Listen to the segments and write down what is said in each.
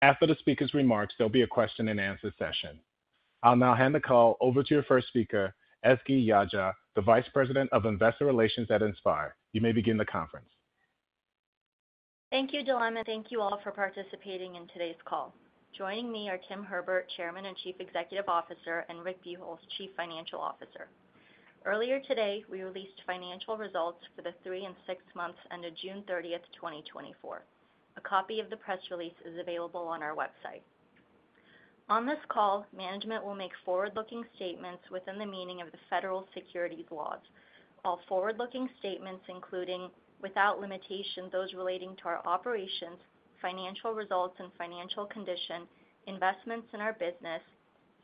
After the speaker's remarks, there'll be a question-and-answer session. I'll now hand the call over to your first speaker, Ezgi Yagci, the Vice President of Investor Relations at Inspire. You may begin the conference. Thank you, Delano. Thank you all for participating in today's call. Joining me are Tim Herbert, Chairman and Chief Executive Officer, and Rick Buchholz, Chief Financial Officer. Earlier today, we released financial results for the 3 and 6 months ended June 30, 2024. A copy of the press release is available on our website. On this call, management will make forward-looking statements within the meaning of the federal securities laws. All forward-looking statements, including, without limitation, those relating to our operations, financial results and financial condition, investments in our business,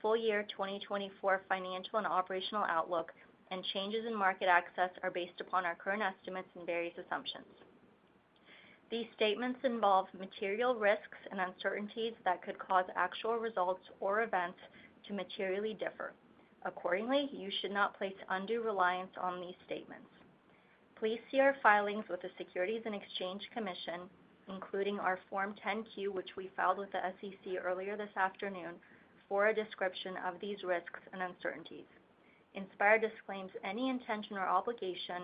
full year 2024 financial and operational outlook, and changes in market access, are based upon our current estimates and various assumptions. These statements involve material risks and uncertainties that could cause actual results or events to materially differ. Accordingly, you should not place undue reliance on these statements. Please see our filings with the Securities and Exchange Commission, including our Form 10-Q, which we filed with the SEC earlier this afternoon, for a description of these risks and uncertainties. Inspire disclaims any intention or obligation,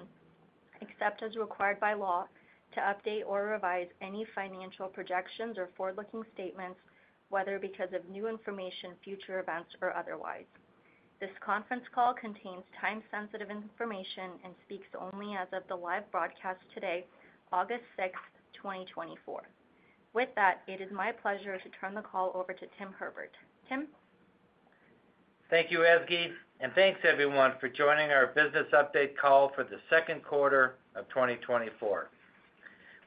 except as required by law, to update or revise any financial projections or forward-looking statements, whether because of new information, future events, or otherwise. This conference call contains time-sensitive information and speaks only as of the live broadcast today, August sixth, twenty twenty-four. With that, it is my pleasure to turn the call over to Tim Herbert. Tim? Thank you, Ezgi, and thanks everyone for joining our business update call for the Q2 of 2024.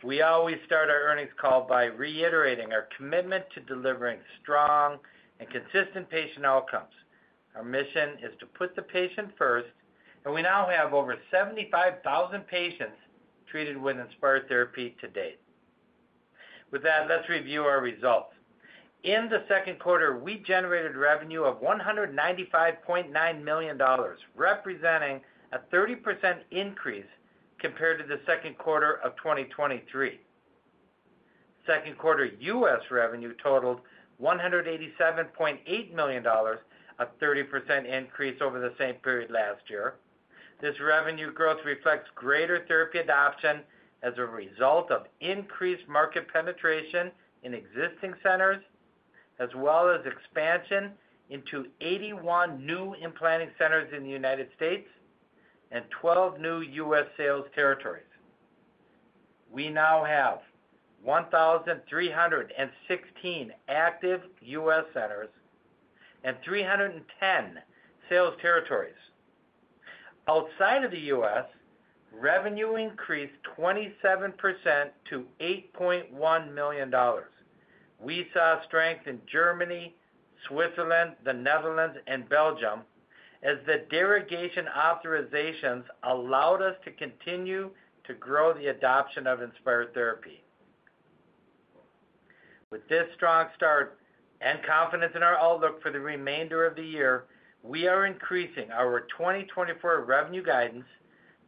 We always start our earnings call by reiterating our commitment to delivering strong and consistent patient outcomes. Our mission is to put the patient first, and we now have over 75,000 patients treated with Inspire therapy to date. With that, let's review our results. In the Q2, we generated revenue of $195.9 million, representing a 30% increase compared to the Q2 of 2023. Q2 U.S. revenue totaled $187.8 million, a 30% increase over the same period last year. This revenue growth reflects greater therapy adoption as a result of increased market penetration in existing centers, as well as expansion into 81 new implanting centers in the United States and 12 new US sales territories. We now have 1,316 active US centers and 310 sales territories. Outside of the US, revenue increased 27% to $8.1 million. We saw strength in Germany, Switzerland, the Netherlands, and Belgium, as the derogation authorizations allowed us to continue to grow the adoption of Inspire therapy. With this strong start and confidence in our outlook for the remainder of the year, we are increasing our 2024 revenue guidance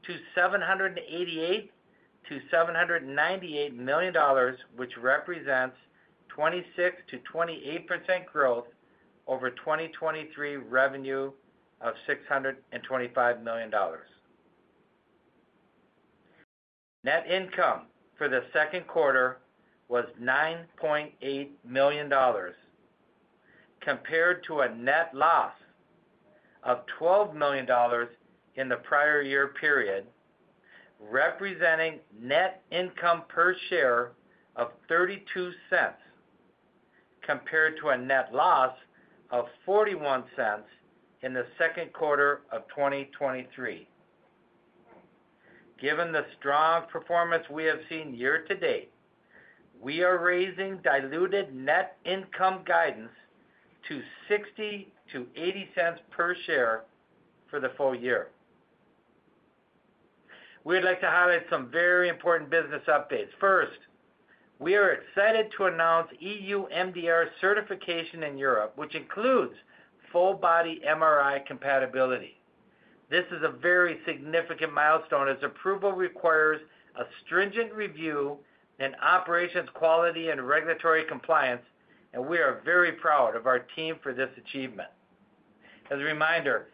to $788 million-$798 million, which represents 26%-28% growth over 2023 revenue of $625 million. Net income for the Q2 was $9.8 million, compared to a net loss of $12 million in the prior year period, representing net income per share of $0.32, compared to a net loss of $0.41 in the Q2 of 2023. Given the strong performance we have seen year to date, we are raising diluted net income guidance to $0.60-$0.80 per share for the full year. We'd like to highlight some very important business updates. First, we are excited to announce EU MDR certification in Europe, which includes full-body MRI compatibility. This is a very significant milestone, as approval requires a stringent review in operations, quality, and regulatory compliance, and we are very proud of our team for this achievement. As a reminder,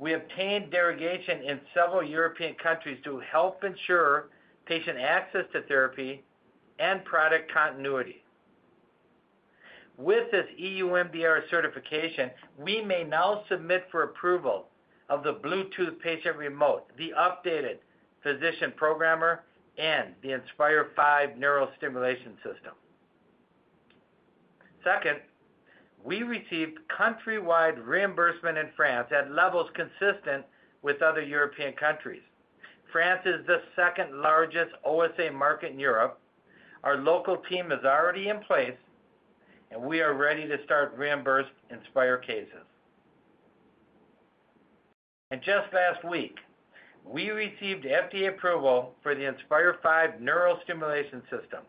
we obtained derogation in several European countries to help ensure patient access to therapy and product continuity. With this EU MDR certification, we may now submit for approval of the Bluetooth patient remote, the updated physician programmer, and the Inspire five neurostimulation system. Second, we received countrywide reimbursement in France at levels consistent with other European countries. France is the second-largest OSA market in Europe. Our local team is already in place, and we are ready to start reimbursed Inspire cases. And just last week, we received FDA approval for the Inspire five neurostimulation system.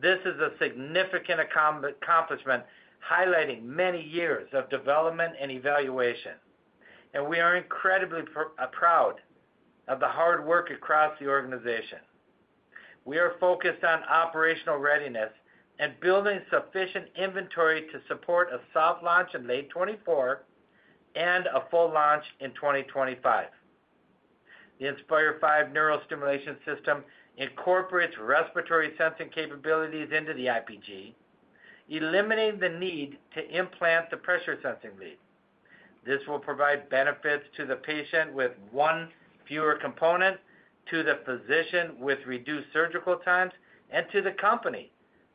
This is a significant accomplishment, highlighting many years of development and evaluation... and we are incredibly proud of the hard work across the organization. We are focused on operational readiness and building sufficient inventory to support a soft launch in late 2024 and a full launch in 2025. The Inspire V neural stimulation system incorporates respiratory sensing capabilities into the IPG, eliminating the need to implant the pressure sensing lead. This will provide benefits to the patient with one fewer component, to the physician with reduced surgical times, and to the company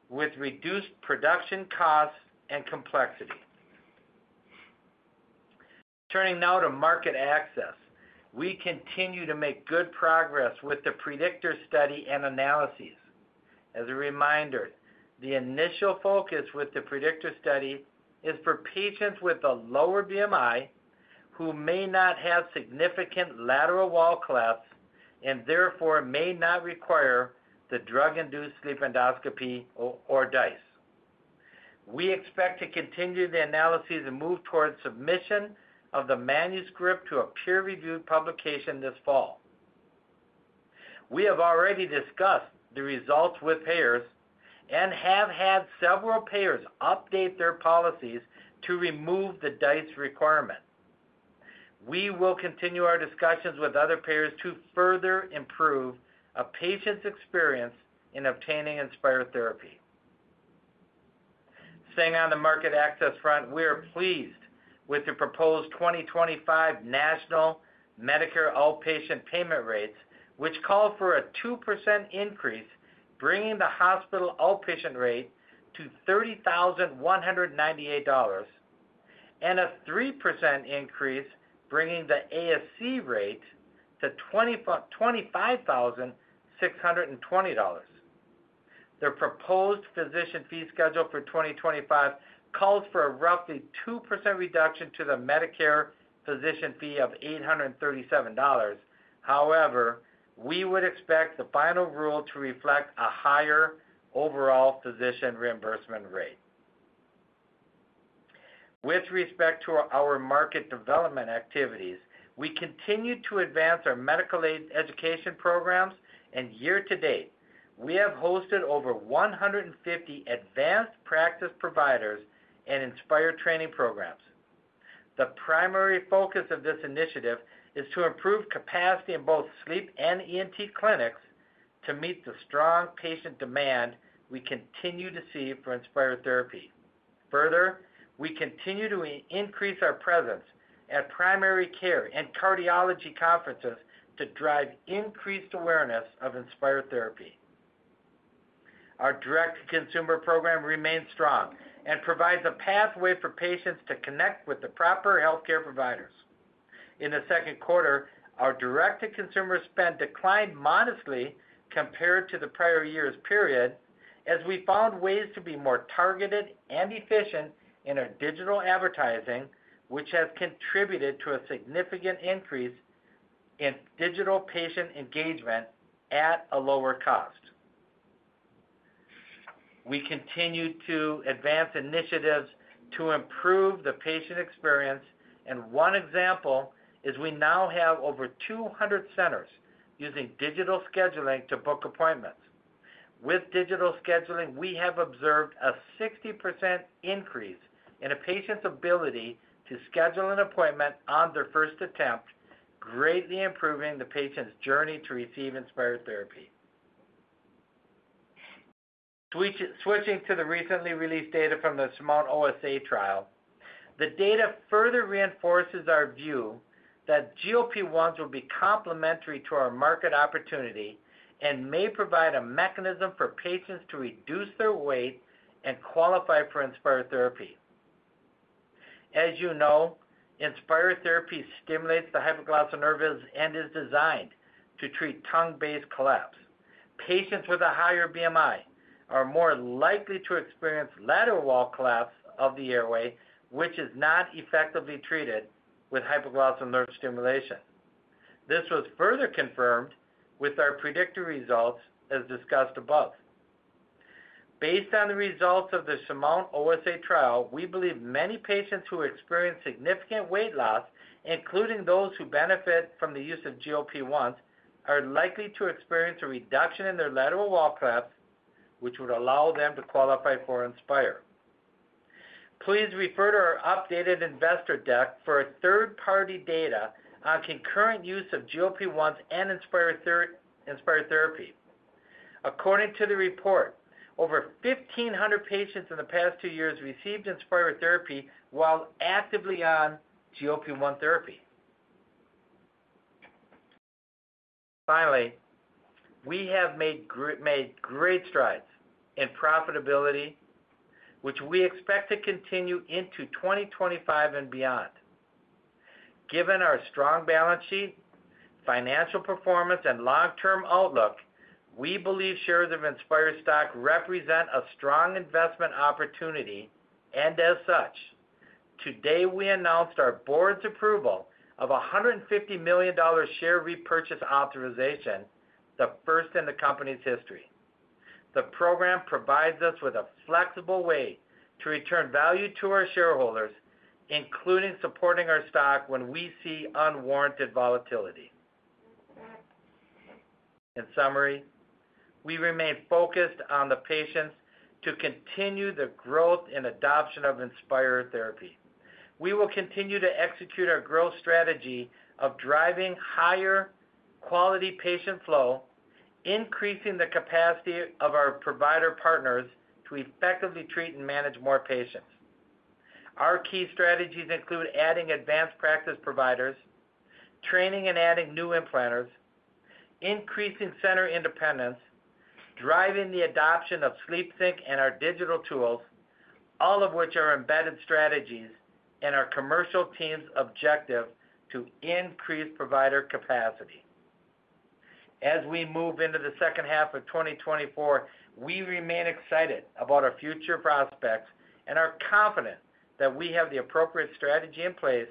with reduced production costs and complexity. Turning now to market access. We continue to make good progress with the PREDICTOR study and analyses. As a reminder, the initial focus with the PREDICTOR study is for patients with a lower BMI, who may not have significant lateral wall collapse, and therefore may not require the drug-induced sleep endoscopy or DISE. We expect to continue the analysis and move towards submission of the manuscript to a peer-reviewed publication this fall. We have already discussed the results with payers and have had several payers update their policies to remove the DISE requirement. We will continue our discussions with other payers to further improve a patient's experience in obtaining Inspire therapy. Staying on the market access front, we are pleased with the proposed 2025 national Medicare outpatient payment rates, which call for a 2% increase, bringing the hospital outpatient rate to $30,198, and a 3% increase, bringing the ASC rate to $25,620. The proposed physician fee schedule for 2025 calls for a roughly 2% reduction to the Medicare physician fee of $837. However, we would expect the final rule to reflect a higher overall physician reimbursement rate. With respect to our market development activities, we continue to advance our medical education programs, and year to date, we have hosted over 150 advanced practice providers in Inspire training programs. The primary focus of this initiative is to improve capacity in both sleep and ENT clinics to meet the strong patient demand we continue to see for Inspire therapy. Further, we continue to increase our presence at primary care and cardiology conferences to drive increased awareness of Inspire therapy. Our direct-to-consumer program remains strong and provides a pathway for patients to connect with the proper healthcare providers. In the Q2, our direct-to-consumer spend declined modestly compared to the prior year's period, as we found ways to be more targeted and efficient in our digital advertising, which has contributed to a significant increase in digital patient engagement at a lower cost. We continue to advance initiatives to improve the patient experience, and one example is we now have over 200 centers using digital scheduling to book appointments. With digital scheduling, we have observed a 60% increase in a patient's ability to schedule an appointment on their first attempt, greatly improving the patient's journey to receive Inspire therapy. Switching to the recently released data from the SURMOUNT-OSA trial, the data further reinforces our view that GLP-1s will be complementary to our market opportunity and may provide a mechanism for patients to reduce their weight and qualify for Inspire therapy. As you know, Inspire therapy stimulates the hypoglossal nerves and is designed to treat tongue-based collapse. Patients with a higher BMI are more likely to experience lateral wall collapse of the airway, which is not effectively treated with hypoglossal nerve stimulation. This was further confirmed with our predictor results, as discussed above. Based on the results of the SURMOUNT-OSA trial, we believe many patients who experience significant weight loss, including those who benefit from the use of GLP-1s, are likely to experience a reduction in their lateral wall collapse, which would allow them to qualify for Inspire. Please refer to our updated investor deck for a third-party data on concurrent use of GLP-1s and Inspire therapy. According to the report, over 1,500 patients in the past two years received Inspire therapy while actively on GLP-1 therapy. Finally, we have made great strides in profitability, which we expect to continue into 2025 and beyond. Given our strong balance sheet, financial performance, and long-term outlook, we believe shares of Inspire stock represent a strong investment opportunity, and as such, today we announced our board's approval of a $150 million share repurchase authorization, the first in the company's history.... The program provides us with a flexible way to return value to our shareholders, including supporting our stock when we see unwarranted volatility. In summary, we remain focused on the patients to continue the growth and adoption of Inspire therapy. We will continue to execute our growth strategy of driving higher quality patient flow, increasing the capacity of our provider partners to effectively treat and manage more patients. Our key strategies include adding advanced practice providers, training and adding new implanters, increasing center independence, driving the adoption of SleepSync and our digital tools, all of which are embedded strategies and our commercial team's objective to increase provider capacity. As we move into the second half of 2024, we remain excited about our future prospects and are confident that we have the appropriate strategy in place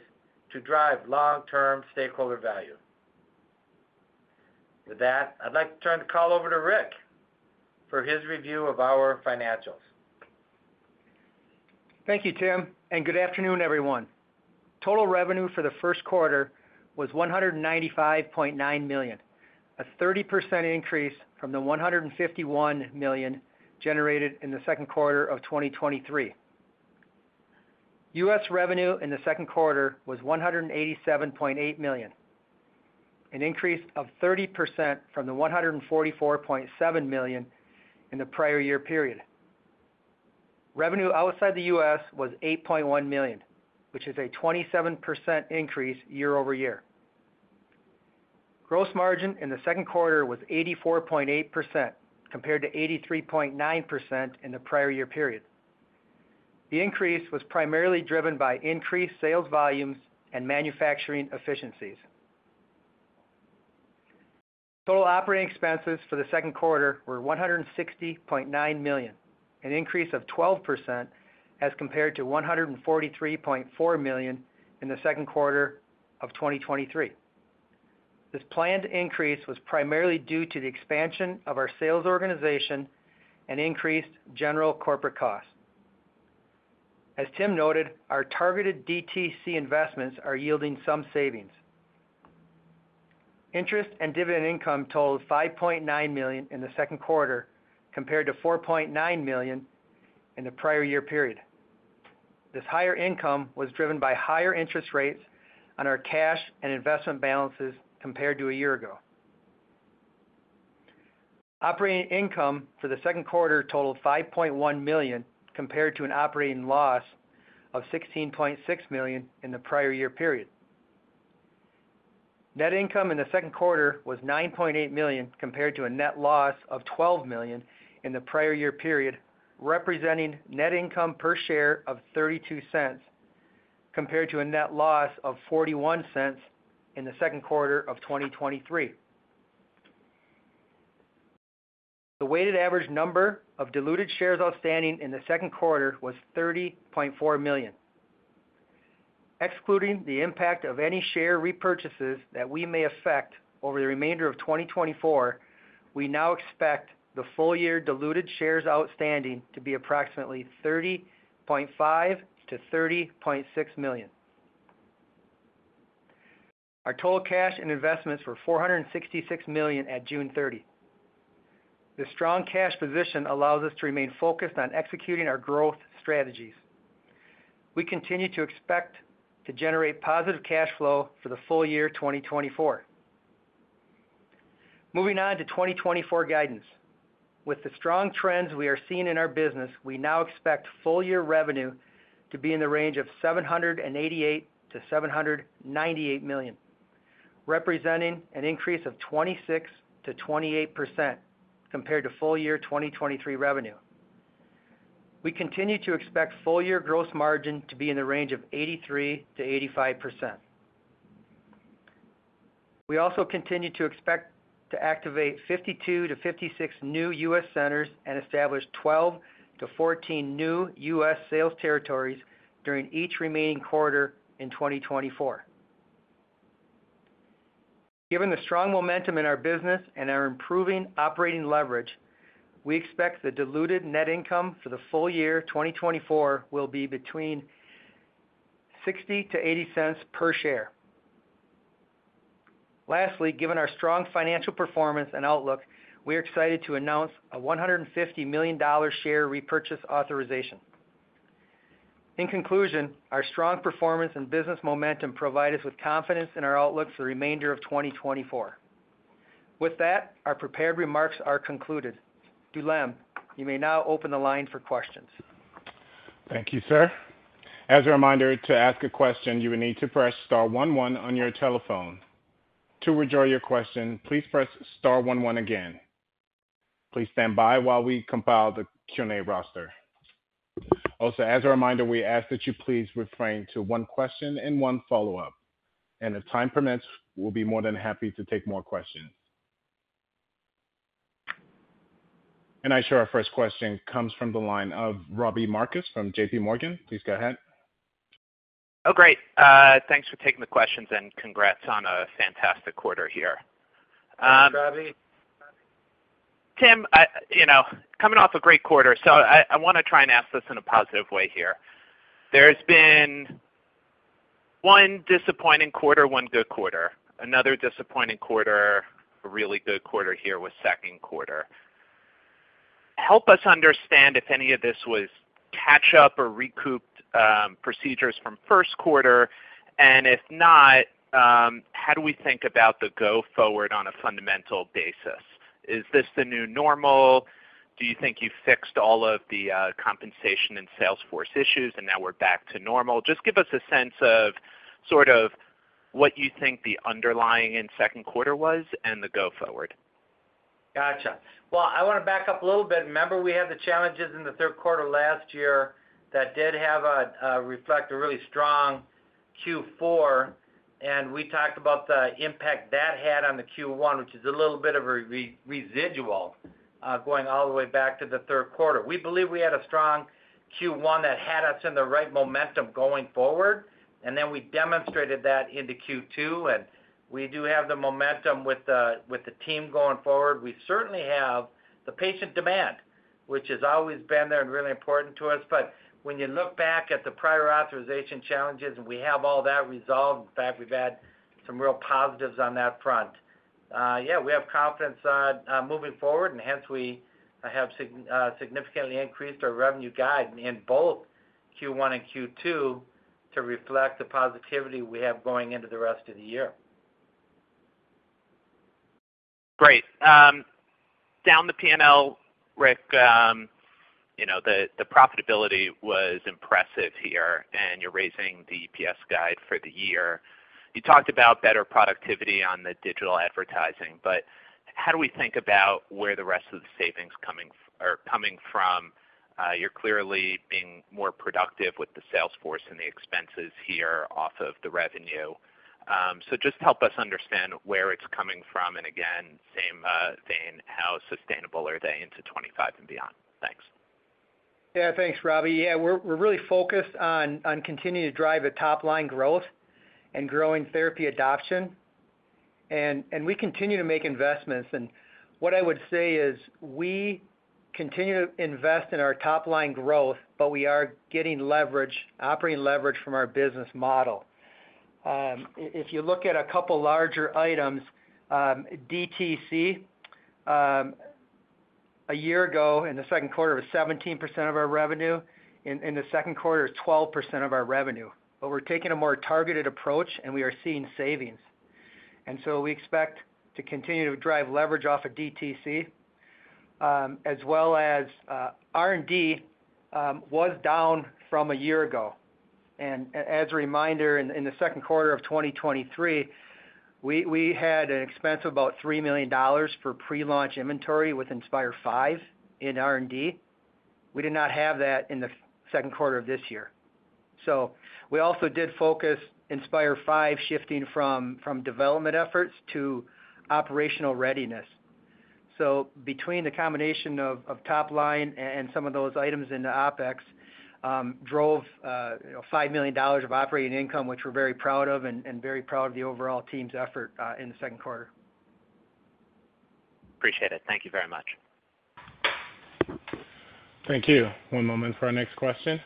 to drive long-term stakeholder value. With that, I'd like to turn the call over to Rick for his review of our financials. Thank you, Tim, and good afternoon, everyone. Total revenue for the Q1 was $195.9 million, a 30% increase from the $151 million generated in the Q2 of 2023. US revenue in the Q2 was $187.8 million, an increase of 30% from the $144.7 million in the prior year period. Revenue outside the US was $8.1 million, which is a 27% increase year over year. Gross margin in the Q2 was 84.8%, compared to 83.9% in the prior year period. The increase was primarily driven by increased sales volumes and manufacturing efficiencies. Total operating expenses for the Q2 were $160.9 million, an increase of 12% as compared to $143.4 million in the Q2 of 2023. This planned increase was primarily due to the expansion of our sales organization and increased general corporate costs. As Tim noted, our targeted DTC investments are yielding some savings. Interest and dividend income totaled $5.9 million in the Q2, compared to $4.9 million in the prior year period. This higher income was driven by higher interest rates on our cash and investment balances compared to a year ago. Operating income for the Q2 totaled $5.1 million, compared to an operating loss of $16.6 million in the prior year period. Net income in the Q2 was $9.8 million, compared to a net loss of $12 million in the prior year period, representing net income per share of $0.32, compared to a net loss of $0.41 in the Q2 of 2023. The weighted average number of diluted shares outstanding in the Q2 was 30.4 million. Excluding the impact of any share repurchases that we may effect over the remainder of 2024, we now expect the full year diluted shares outstanding to be approximately 30.5-30.6 million. Our total cash and investments were $466 million at June 30. This strong cash position allows us to remain focused on executing our growth strategies. We continue to expect to generate positive cash flow for the full year 2024. Moving on to 2024 guidance. With the strong trends we are seeing in our business, we now expect full year revenue to be in the range of $788-$798 million, representing an increase of 26%-28% compared to full year 2023 revenue. We continue to expect full year gross margin to be in the range of 83%-85%. We also continue to expect to activate 52-56 new US centers and establish 12-14 new US sales territories during each remaining quarter in 2024. Given the strong momentum in our business and our improving operating leverage, we expect the diluted net income for the full year 2024 will be between $0.60-$0.80 per share. Lastly, given our strong financial performance and outlook, we are excited to announce a $150 million share repurchase authorization. In conclusion, our strong performance and business momentum provide us with confidence in our outlook for the remainder of 2024. With that, our prepared remarks are concluded. Delano, you may now open the line for questions. Thank you, sir. As a reminder, to ask a question, you will need to press star one one on your telephone. To withdraw your question, please press star one one again. Please stand by while we compile the Q&A roster. Also, as a reminder, we ask that you please refrain to one question and one follow-up, and if time permits, we'll be more than happy to take more questions. And our first question comes from the line of Robbie Marcus from J.P. Morgan. Please go ahead.... Oh, great. Thanks for taking the questions, and congrats on a fantastic quarter here. Hi, Robbie. Tim, you know, coming off a great quarter, so I wanna try and ask this in a positive way here. There's been one disappointing quarter, one good quarter, another disappointing quarter, a really good quarter here with Q2. Help us understand if any of this was catch up or recouped procedures from Q1, and if not, how do we think about the go forward on a fundamental basis? Is this the new normal? Do you think you fixed all of the compensation and sales force issues, and now we're back to normal? Just give us a sense of sort of what you think the underlying in Q2 was and the go forward. Gotcha. Well, I wanna back up a little bit. Remember, we had the challenges in the Q3 last year that did have a reflect a really strong Q4, and we talked about the impact that had on the Q1, which is a little bit of a residual going all the way back to the Q3. We believe we had a strong Q1 that had us in the right momentum going forward, and then we demonstrated that into Q2, and we do have the momentum with the team going forward. We certainly have the patient demand, which has always been there and really important to us. But when you look back at the prior authorization challenges, and we have all that resolved, in fact, we've had some real positives on that front. Yeah, we have confidence moving forward, and hence, we have significantly increased our revenue guide in both Q1 and Q2 to reflect the positivity we have going into the rest of the year. Great. Down the P&L, Rick, you know, the profitability was impressive here, and you're raising the EPS guide for the year. You talked about better productivity on the digital advertising, but how do we think about where the rest of the savings are coming from? You're clearly being more productive with the sales force and the expenses here off of the revenue. So just help us understand where it's coming from, and again, same vein, how sustainable are they into 25 and beyond? Thanks. Yeah, thanks, Robbie. Yeah, we're really focused on continuing to drive top-line growth and growing therapy adoption. And we continue to make investments, and what I would say is, we continue to invest in our top-line growth, but we are getting leverage, operating leverage from our business model. If you look at a couple larger items, DTC, a year ago, in the Q2, it was 17% of our revenue. In the Q2, it's 12% of our revenue. But we're taking a more targeted approach, and we are seeing savings. And so we expect to continue to drive leverage off of DTC, as well as R&D, was down from a year ago. As a reminder, in the Q2 of 2023, we had an expense of about $3 million for pre-launch inventory with Inspire Five in R&D. We did not have that in the Q2 of this year. So we also did focus Inspire Five, shifting from development efforts to operational readiness. So between the combination of top line and some of those items in the OpEx, drove you know, $5 million of operating income, which we're very proud of and very proud of the overall team's effort in the Q2. Appreciate it. Thank you very much. Thank you. One moment for our next question.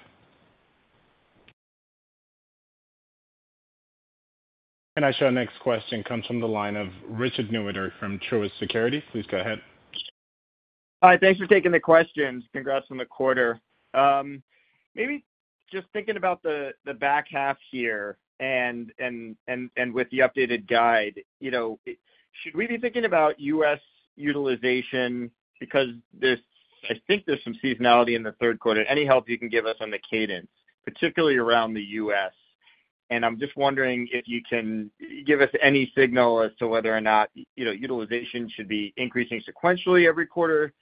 Our next question comes from the line of Richard Newitter from Truist Securities. Please go ahead. Hi, thanks for taking the questions. Congrats on the quarter. Maybe just thinking about the back half here and with the updated guide, you know, should we be thinking about U.S. utilization? Because there's... I think there's some seasonality in the Q3. Any help you can give us on the cadence, particularly around the U.S.? And I'm just wondering if you can give us any signal as to whether or not, you know, utilization should be increasing sequentially every quarter.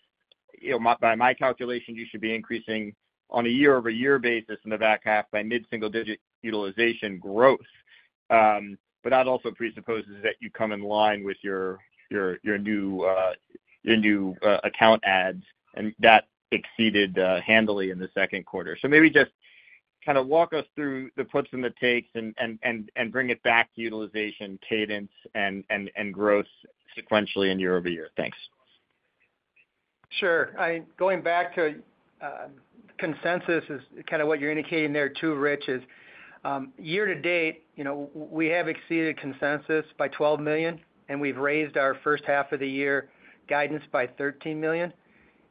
You know, by my calculations, you should be increasing on a year-over-year basis in the back half by mid-single digit utilization growth. But that also presupposes that you come in line with your new account adds, and that exceeded handily in the Q2. So maybe just kind of walk us through the puts and the takes and bring it back to utilization, cadence and growth sequentially and year over year. Thanks. Sure. I mean, going back to, consensus is kind of what you're indicating there, too, Rich, is, year to date, you know, we have exceeded consensus by $12 million, and we've raised our first half of the year guidance by $13 million.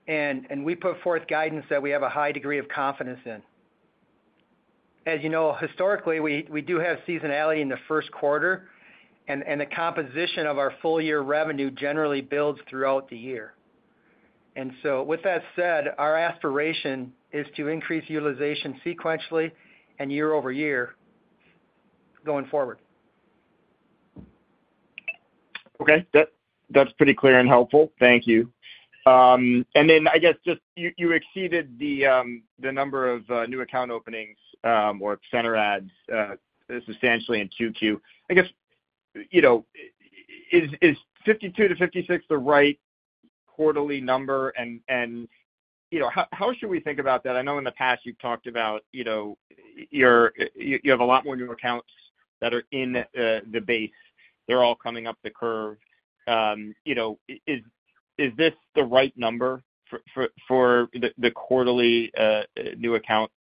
And we put forth guidance that we have a high degree of confidence in. As you know, historically, we do have seasonality in the Q1, and the composition of our full year revenue generally builds throughout the year. And so with that said, our aspiration is to increase utilization sequentially and year-over-year going forward. Okay, that's pretty clear and helpful. Thank you. And then, I guess, just you exceeded the number of new account openings or center adds substantially in Q2. I guess, you know, is 52-56 the right-quarterly number and you know, how should we think about that? I know in the past you've talked about, you know, you have a lot more new accounts that are in the base. They're all coming up the curve. You know, is this the right number for the quarterly new account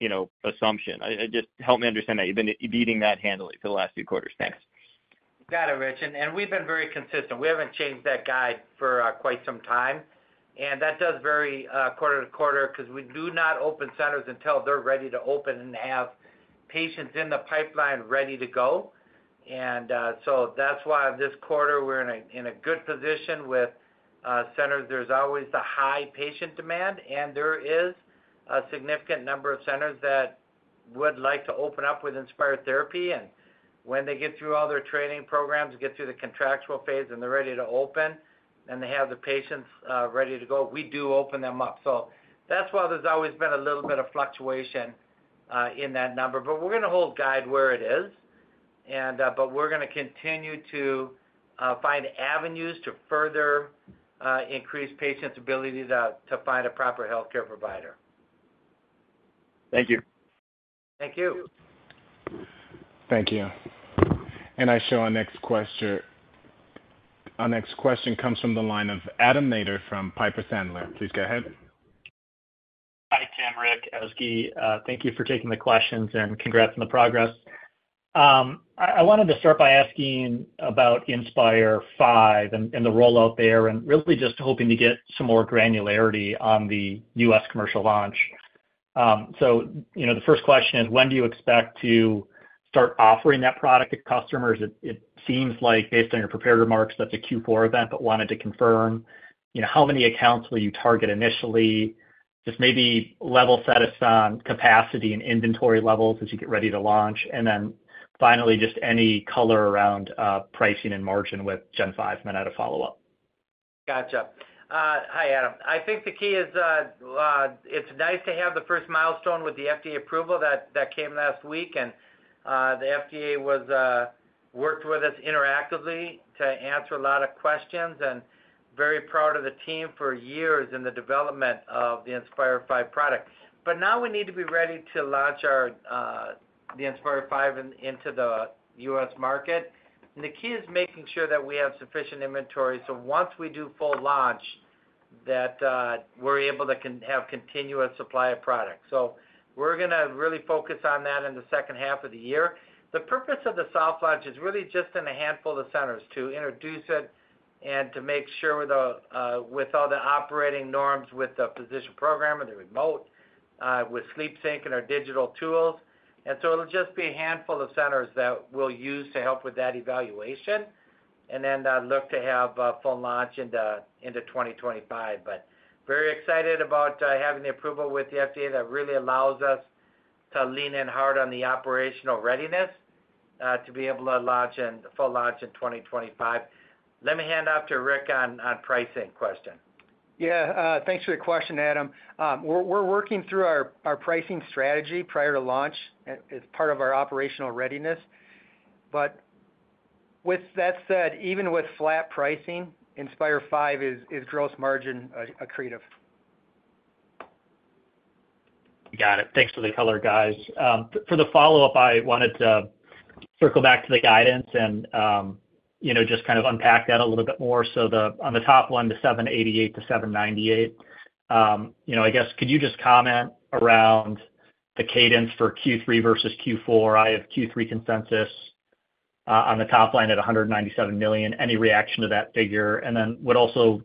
you know, assumption? Just help me understand that. You've been beating that handily for the last few quarters. Thanks. Got it, Rich. We've been very consistent. We haven't changed that guide for quite some time, and that does vary quarter-to-quarter because we do not open centers until they're ready to open and have patients in the pipeline ready to go. So that's why this quarter, we're in a good position with centers. There's always the high patient demand, and there is a significant number of centers that would like to open up with Inspire therapy. And when they get through all their training programs, get through the contractual phase, and they're ready to open, and they have the patients ready to go, we do open them up. So that's why there's always been a little bit of fluctuation in that number. But we're gonna hold guide where it is, and but we're gonna continue to find avenues to further increase patients' ability to find a proper healthcare provider. Thank you. Thank you. Thank you. I show our next question comes from the line of Adam Maeder from Piper Sandler. Please go ahead. Hi, Tim, Rick, Ezgi. Thank you for taking the questions, and congrats on the progress. I wanted to start by asking about Inspire V and the rollout there, and really just hoping to get some more granularity on the U.S. commercial launch. So you know, the first question is, when do you expect to start offering that product to customers? It seems like based on your prepared remarks, that's a Q4 event, but wanted to confirm, you know, how many accounts will you target initially? Just maybe level set us on capacity and inventory levels as you get ready to launch. And then finally, just any color around pricing and margin with Gen V, then I had a follow-up. Gotcha. Hi, Adam. I think the key is, it's nice to have the first milestone with the FDA approval that came last week, and the FDA worked with us interactively to answer a lot of questions, and very proud of the team for years in the development of the Inspire five product. But now we need to be ready to launch our the Inspire five into the US market. And the key is making sure that we have sufficient inventory, so once we do full launch, we're able to have continuous supply of product. So we're gonna really focus on that in the second half of the year. The purpose of the soft launch is really just in a handful of centers to introduce it and to make sure the, with all the operating norms, with the physician program and the remote, with SleepSync and our digital tools. And so it'll just be a handful of centers that we'll use to help with that evaluation, and then, look to have a full launch into, into 2025. But very excited about, having the approval with the FDA. That really allows us to lean in hard on the operational readiness, to be able to launch in, the full launch in 2025. Let me hand off to Rick on, on pricing question. Yeah, thanks for the question, Adam. We're working through our pricing strategy prior to launch as part of our operational readiness. But with that said, even with flat pricing, Inspire five is gross margin accretive. Got it. Thanks for the color, guys. For the follow-up, I wanted to circle back to the guidance and, you know, just kind of unpack that a little bit more. So the, on the top one, the $ 788 -$798 million, you know, I guess could you just comment around the cadence for Q3 versus Q4? I have Q3 consensus, on the top line at $197 million. Any reaction to that figure? And then would also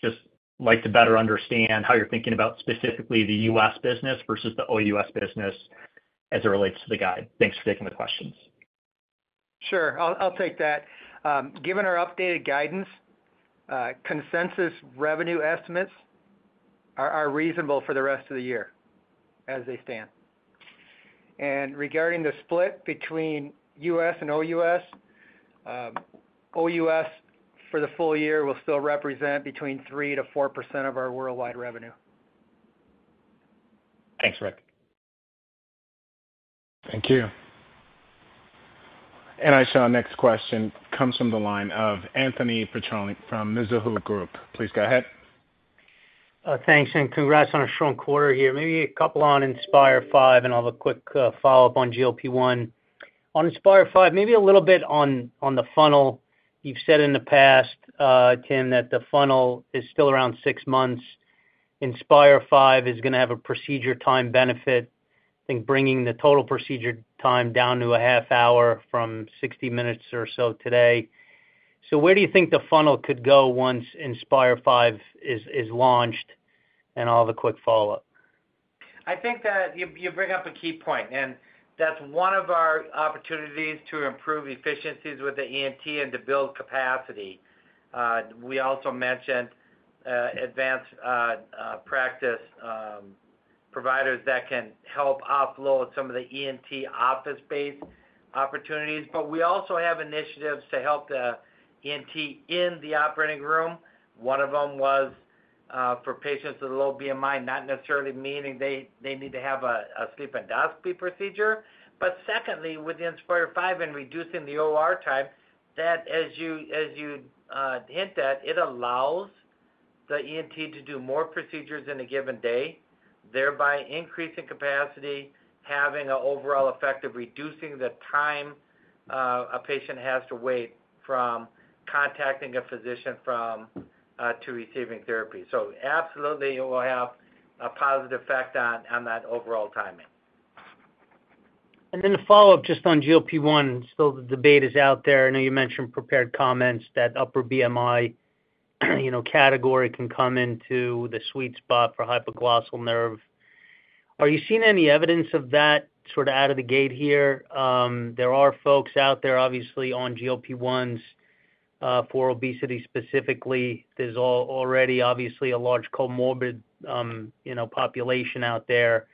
just like to better understand how you're thinking about specifically the US business versus the OUS business as it relates to the guide. Thanks for taking the questions. Sure. I'll, I'll take that. Given our updated guidance, consensus revenue estimates are reasonable for the rest of the year as they stand. And regarding the split between US and OUS, OUS for the full year will still represent between 3%-4% of our worldwide revenue. Thanks, Rick. Thank you. Our next question comes from the line of Anthony Petrone from Mizuho Group. Please go ahead. Thanks, and congrats on a strong quarter here. Maybe a couple on Inspire V, and I'll have a quick follow-up on GLP-1. On Inspire V, maybe a little bit on the funnel. You've said in the past, Tim, that the funnel is still around 6 months. Inspire V is gonna have a procedure time benefit, I think bringing the total procedure time down to a half hour from 60 minutes or so today. So where do you think the funnel could go once Inspire V is launched? And I'll have a quick follow-up. I think that you bring up a key point, and that's one of our opportunities to improve efficiencies with the ENT and to build capacity. We also mentioned advanced practice providers that can help offload some of the ENT office-based opportunities. But we also have initiatives to help the ENT in the operating room. One of them for patients with a low BMI, not necessarily meaning they need to have a sleep endoscopy procedure. But secondly, with the Inspire V and reducing the OR time, that as you hint at, it allows the ENT to do more procedures in a given day, thereby increasing capacity, having an overall effect of reducing the time a patient has to wait from contacting a physician to receiving therapy. Absolutely, it will have a positive effect on, on that overall timing. And then a follow-up just on GLP-1. So the debate is out there. I know you mentioned prepared comments that upper BMI, you know, category can come into the sweet spot for hypoglossal nerve. Are you seeing any evidence of that sort of out of the gate here? There are folks out there, obviously, on GLP-1s, for obesity specifically. There's already, obviously, a large comorbid, you know, population out there.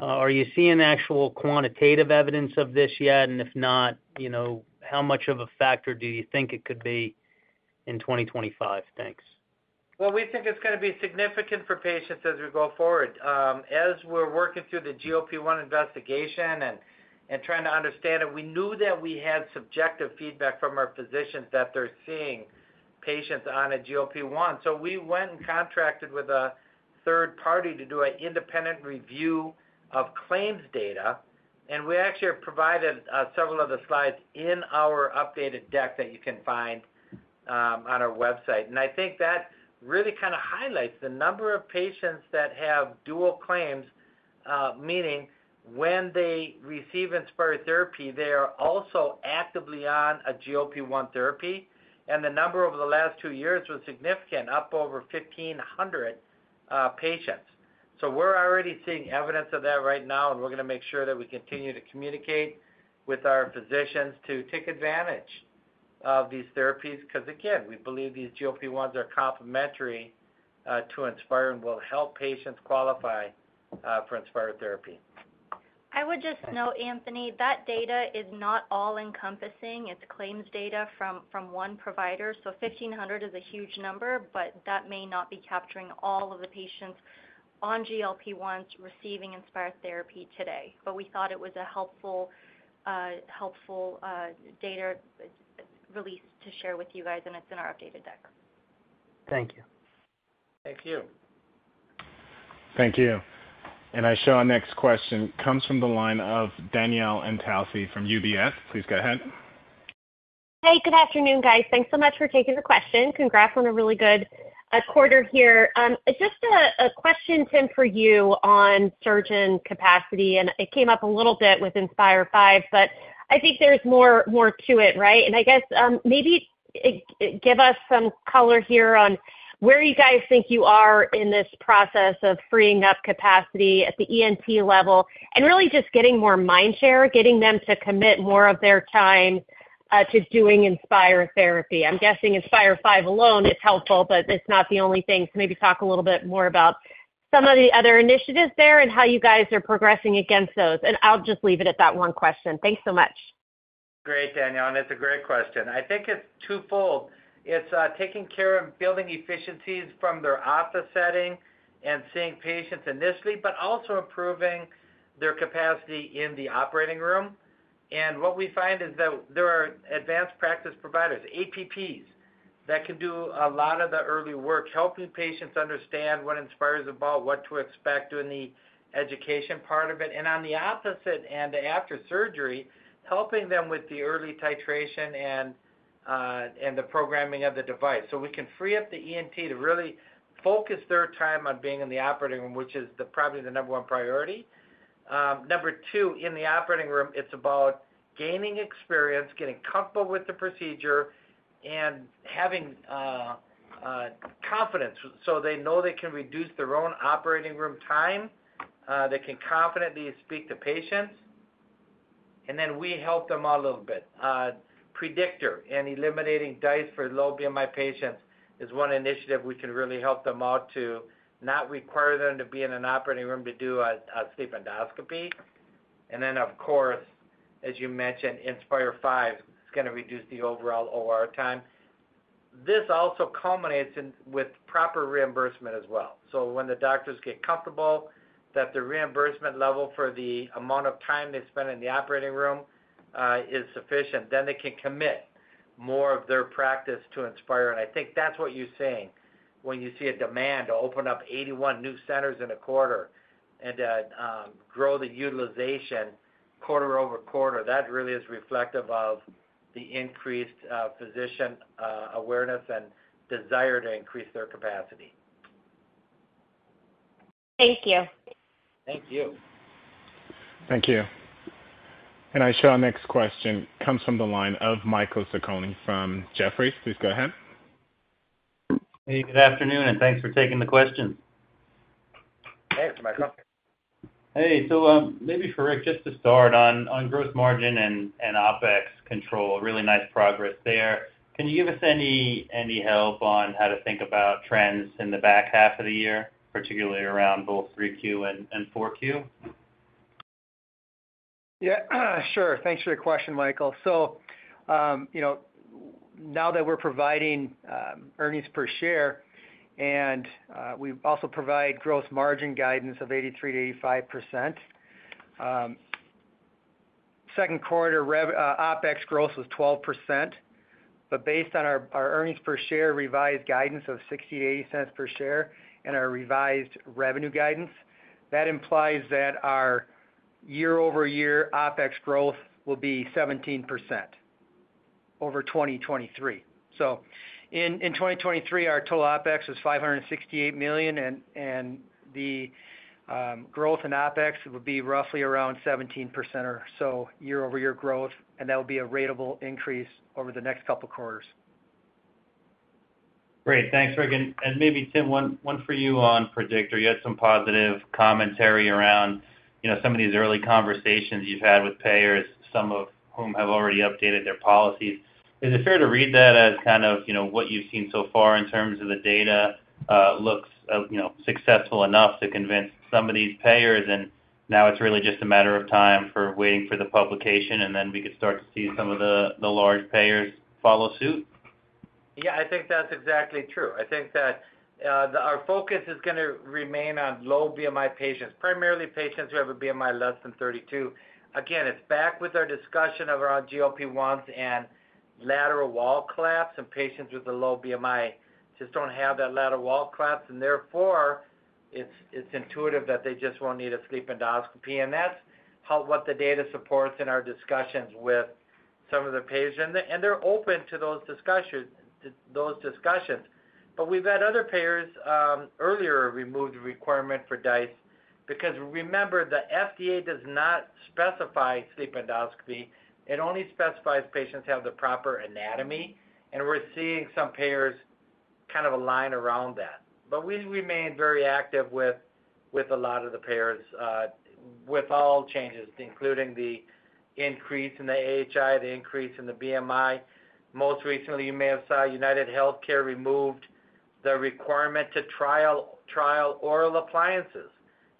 Are you seeing actual quantitative evidence of this yet? And if not, you know, how much of a factor do you think it could be in 2025? Thanks. Well, we think it's gonna be significant for patients as we go forward. As we're working through the GLP-1 investigation and trying to understand it, we knew that we had subjective feedback from our physicians that they're seeing patients on a GLP-1. So we went and contracted with a third party to do an independent review of claims data, and we actually have provided several of the slides in our updated deck that you can find on our website. And I think that really kind of highlights the number of patients that have dual claims, meaning when they receive Inspire therapy, they are also actively on a GLP-1 therapy. And the number over the last two years was significant, up over 1,500 patients. So we're already seeing evidence of that right now, and we're gonna make sure that we continue to communicate with our physicians to take advantage of these therapies. Because, again, we believe these GLP-1s are complementary to Inspire and will help patients qualify for Inspire therapy. I would just note, Anthony, that data is not all-encompassing. It's claims data from one provider. So 1,500 is a huge number, but that may not be capturing all of the patients on GLP-1s receiving Inspire therapy today. But we thought it was a helpful, helpful, data release to share with you guys, and it's in our updated deck. Thank you. Thank you. Thank you. I show our next question comes from the line of Danielle Antalffy from UBS. Please go ahead. Hey, good afternoon, guys. Thanks so much for taking the question. Congrats on a really good quarter here. Just a question, Tim, for you on surgeon capacity, and it came up a little bit with Inspire five, but I think there's more to it, right? And I guess, maybe, give us some color here on where you guys think you are in this process of freeing up capacity at the ENT level and really just getting more mind share, getting them to commit more of their time to doing Inspire therapy. I'm guessing Inspire five alone is helpful, but it's not the only thing. So maybe talk a little bit more about some of the other initiatives there and how you guys are progressing against those. And I'll just leave it at that one question. Thanks so much. Great, Danielle, and it's a great question. I think it's twofold. It's taking care of building efficiencies from their office setting and seeing patients initially, but also improving their capacity in the operating room. And what we find is that there are advanced practice providers, APPs, that can do a lot of the early work, helping patients understand what Inspire is about, what to expect during the education part of it. And on the opposite end, after surgery, helping them with the early titration and the programming of the device. So we can free up the ENT to really focus their time on being in the operating room, which is probably the number one priority. Number 2, in the operating room, it's about gaining experience, getting comfortable with the procedure, and having confidence so they know they can reduce their own operating room time, they can confidently speak to patients, and then we help them out a little bit. Predictor and eliminating DISE for low BMI patients is one initiative we can really help them out to not require them to be in an operating room to do a sleep endoscopy. And then, of course, as you mentioned, Inspire V is gonna reduce the overall OR time. This also culminates in... with proper reimbursement as well. So when the doctors get comfortable that the reimbursement level for the amount of time they spend in the operating room is sufficient, then they can commit more of their practice to Inspire. I think that's what you're saying when you see a demand to open up 81 new centers in a quarter and grow the utilization quarter-over-quarter. That really is reflective of the increased physician awareness and desire to increase their capacity. Thank you. Thank you. Thank you. And I show our next question comes from the line of Michael Sarcone from Jefferies. Please go ahead. Hey, good afternoon, and thanks for taking the question. Hey, Michael. Hey, so, maybe for Rick, just to start on, on gross margin and, and OpEx control, really nice progress there. Can you give us any, any help on how to think about trends in the back half of the year, particularly around both 3Q and, and 4Q?... Yeah, sure. Thanks for your question, Michael. So, you know, now that we're providing earnings per share, and we also provide gross margin guidance of 83%-85%. Q2 OpEx growth was 12%, but based on our our earnings per share revised guidance of $0.60-$0.80 per share and our revised revenue guidance, that implies that our year-over-year OpEx growth will be 17% over 2023. So in in 2023, our total OpEx was $568 million, and and the growth in OpEx would be roughly around 17% or so year-over-year growth, and that will be a ratable increase over the next couple of quarters. Great. Thanks, Regan. Maybe, Tim, one for you on Predict. You had some positive commentary around, you know, some of these early conversations you've had with payers, some of whom have already updated their policies. Is it fair to read that as kind of, you know, what you've seen so far in terms of the data, looks, you know, successful enough to convince some of these payers, and now it's really just a matter of time for waiting for the publication, and then we could start to see some of the large payers follow suit? Yeah, I think that's exactly true. I think that our focus is gonna remain on low BMI patients, primarily patients who have a BMI less than 32. Again, it's back with our discussion around GLP-1s and lateral wall collapse, and patients with a low BMI just don't have that lateral wall collapse, and therefore, it's intuitive that they just won't need a sleep endoscopy. And that's how what the data supports in our discussions with some of the patients, and they're open to those discussions. But we've had other payers earlier remove the requirement for DISE, because remember, the FDA does not specify sleep endoscopy. It only specifies patients have the proper anatomy, and we're seeing some payers kind of align around that. But we remain very active with a lot of the payers, with all changes, including the increase in the AHI, the increase in the BMI. Most recently, you may have saw UnitedHealthcare removed the requirement to trial oral appliances.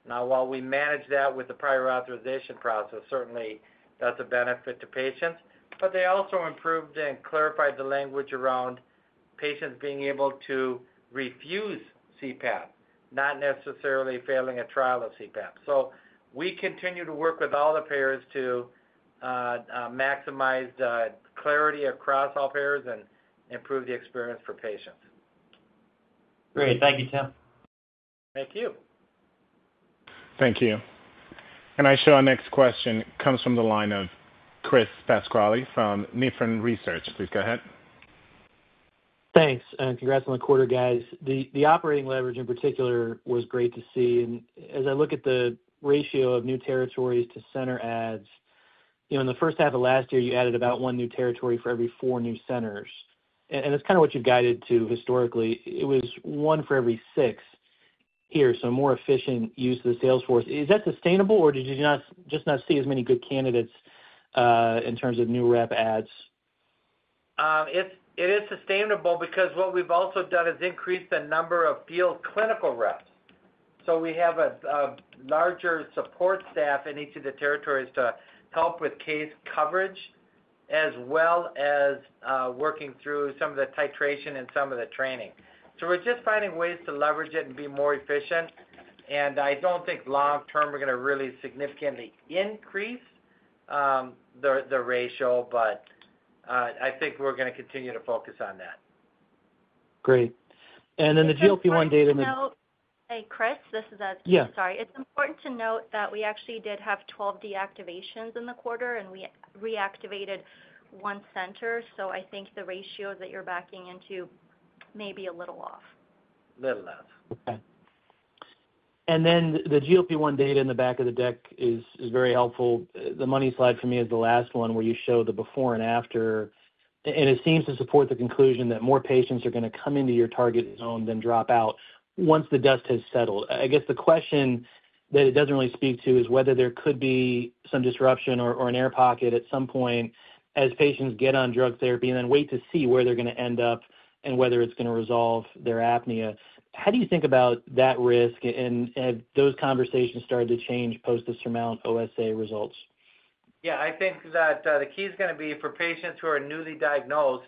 Now, while we manage that with the prior authorization process, certainly that's a benefit to patients, but they also improved and clarified the language around patients being able to refuse CPAP, not necessarily failing a trial of CPAP. So we continue to work with all the payers to maximize the clarity across all payers and improve the experience for patients. Great. Thank you, Tim. Thank you. Thank you. And now, our next question comes from the line of Chris Pasquale from Nephron Research. Please go ahead. Thanks, and congrats on the quarter, guys. The operating leverage in particular was great to see. And as I look at the ratio of new territories to center adds, you know, in the first half of last year, you added about one new territory for every four new centers, and it's kind of what you guided to historically. It was one for every six here, so more efficient use of the sales force. Is that sustainable, or did you not, just not see as many good candidates in terms of new rep adds? It is sustainable because what we've also done is increased the number of field clinical reps. So we have a larger support staff in each of the territories to help with case coverage, as well as working through some of the titration and some of the training. So we're just finding ways to leverage it and be more efficient, and I don't think long term, we're gonna really significantly increase the ratio, but I think we're gonna continue to focus on that. Great. And then the GLP-1 data- Hey, Chris, this is Ashley. Yeah. Sorry. It's important to note that we actually did have 12 deactivations in the quarter, and we reactivated 1 center. So I think the ratio that you're backing into may be a little off. Little off. Okay. And then the GLP-1 data in the back of the deck is very helpful. The money slide for me is the last one, where you show the before and after, and it seems to support the conclusion that more patients are gonna come into your target zone than drop out once the dust has settled. I guess the question that it doesn't really speak to is whether there could be some disruption or an air pocket at some point as patients get on drug therapy and then wait to see where they're gonna end up and whether it's gonna resolve their apnea. How do you think about that risk and have those conversations started to change post the SURMOUNT-OSA results? Yeah, I think that, the key is gonna be for patients who are newly diagnosed,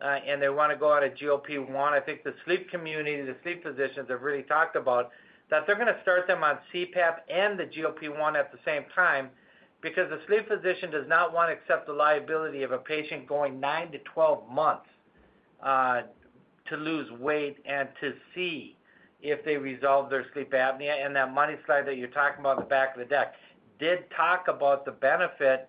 and they want to go on a GLP-1, I think the sleep community, the sleep physicians have really talked about that they're gonna start them on CPAP and the GLP-1 at the same time, because the sleep physician does not want to accept the liability of a patient going 9-12 months, to lose weight and to see if they resolve their sleep apnea. And that money slide that you're talking about in the back of the deck did talk about the benefit,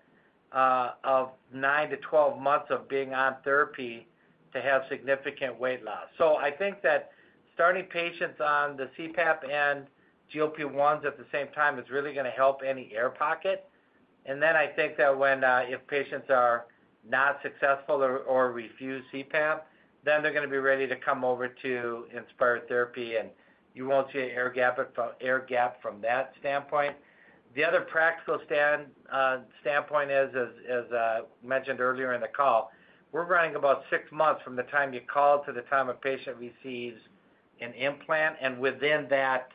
of 9-12 months of being on therapy to have significant weight loss. So I think that starting patients on the CPAP and GLP-1s at the same time is really gonna help any air pocket. And then I think that when, if patients are not successful or refuse CPAP, then they're gonna be ready to come over to Inspire therapy, and you won't see an air gap in it, air gap from that standpoint. The other practical standpoint is, as mentioned earlier in the call, we're running about six months from the time you call to the time a patient receives an implant, and within that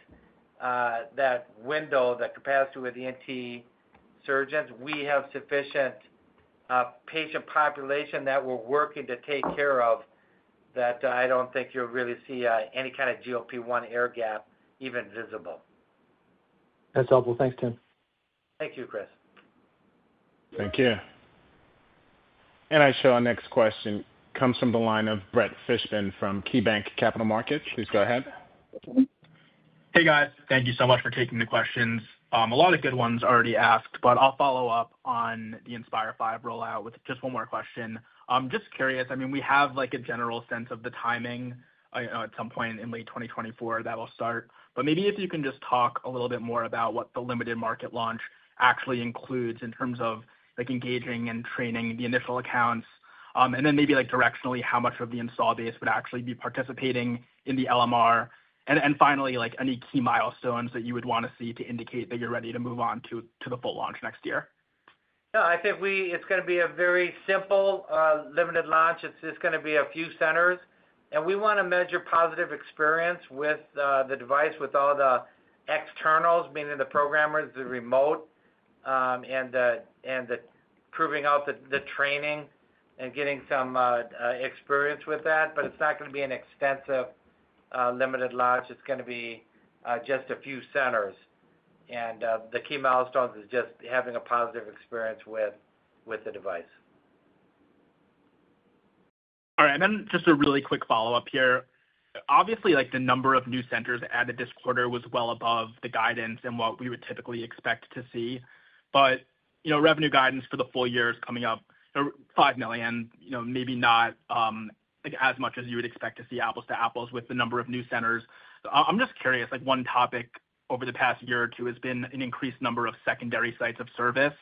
window, that capacity with the ENT surgeons, we have sufficient patient population that we're working to take care of, that I don't think you'll really see any kind of GLP-1 air gap even visible. That's helpful. Thanks, Tim. Thank you, Chris. Thank you. I show our next question comes from the line of Brett Fishman from KeyBanc Capital Markets. Please go ahead. Hey, guys. Thank you so much for taking the questions. A lot of good ones already asked, but I'll follow up on the Inspire V rollout with just one more question. Just curious, I mean, we have, like, a general sense of the timing, you know, at some point in late 2024, that will start. But maybe if you can just talk a little bit more about what the limited market launch actually includes in terms of, like, engaging and training the initial accounts. And then maybe, like, directionally, how much of the install base would actually be participating in the LMR? And, and finally, like, any key milestones that you would want to see to indicate that you're ready to move on to, to the full launch next year. No, I think it's gonna be a very simple, limited launch. It's gonna be a few centers, and we wanna measure positive experience with the device, with all the externals, meaning the programmers, the remote, and the proving out the training and getting some experience with that. But it's not gonna be an extensive, limited launch. It's gonna be just a few centers. And the key milestones is just having a positive experience with the device. All right, and then just a really quick follow-up here. Obviously, like, the number of new centers added this quarter was well above the guidance and what we would typically expect to see. But, you know, revenue guidance for the full year is coming up, so $5 million, you know, maybe not, like, as much as you would expect to see apples-to-apples with the number of new centers. So I, I'm just curious, like, one topic over the past year or two has been an increased number of secondary sites of service,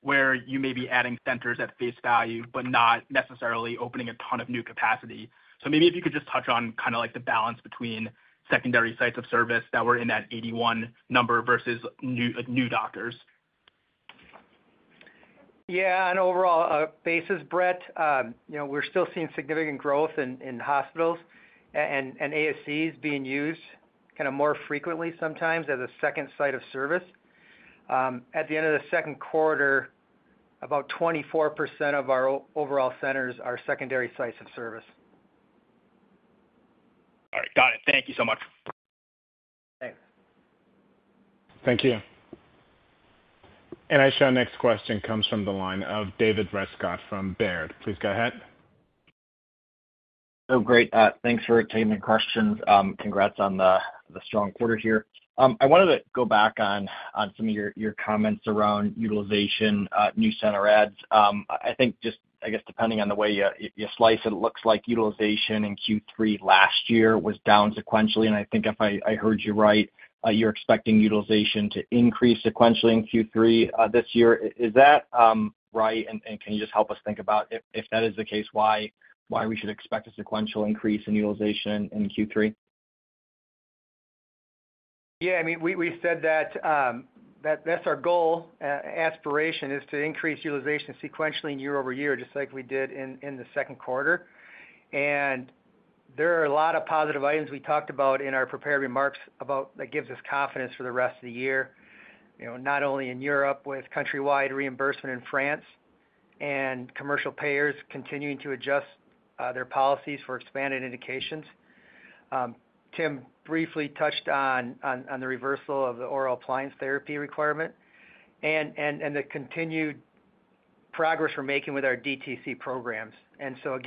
where you may be adding centers at face value, but not necessarily opening a ton of new capacity. So maybe if you could just touch on kind of, like, the balance between secondary sites of service that were in that 81 number versus new, new doctors. Yeah, on an overall basis, Brett, you know, we're still seeing significant growth in hospitals and ASCs being used kind of more frequently, sometimes as a second site of service. At the end of the Q2, about 24% of our overall centers are secondary sites of service. All right, got it. Thank you so much. Thanks. Thank you. I show our next question comes from the line of David Rescott from Baird. Please go ahead. Oh, great, thanks for taking the questions. Congrats on the strong quarter here. I wanted to go back on some of your comments around utilization, new center adds. I think just, I guess depending on the way you slice it, it looks like utilization in Q3 last year was down sequentially, and I think if I heard you right, you're expecting utilization to increase sequentially in Q3 this year. Is that right? And can you just help us think about if that is the case, why we should expect a sequential increase in utilization in Q3? Yeah, I mean, we said that that's our goal, aspiration, is to increase utilization sequentially and year over year, just like we did in the Q2. And there are a lot of positive items we talked about in our prepared remarks about that gives us confidence for the rest of the year. You know, not only in Europe with countrywide reimbursement in France and commercial payers continuing to adjust their policies for expanded indications. Tim briefly touched on the reversal of the oral appliance therapy requirement and the continued progress we're making with our DTC programs. And so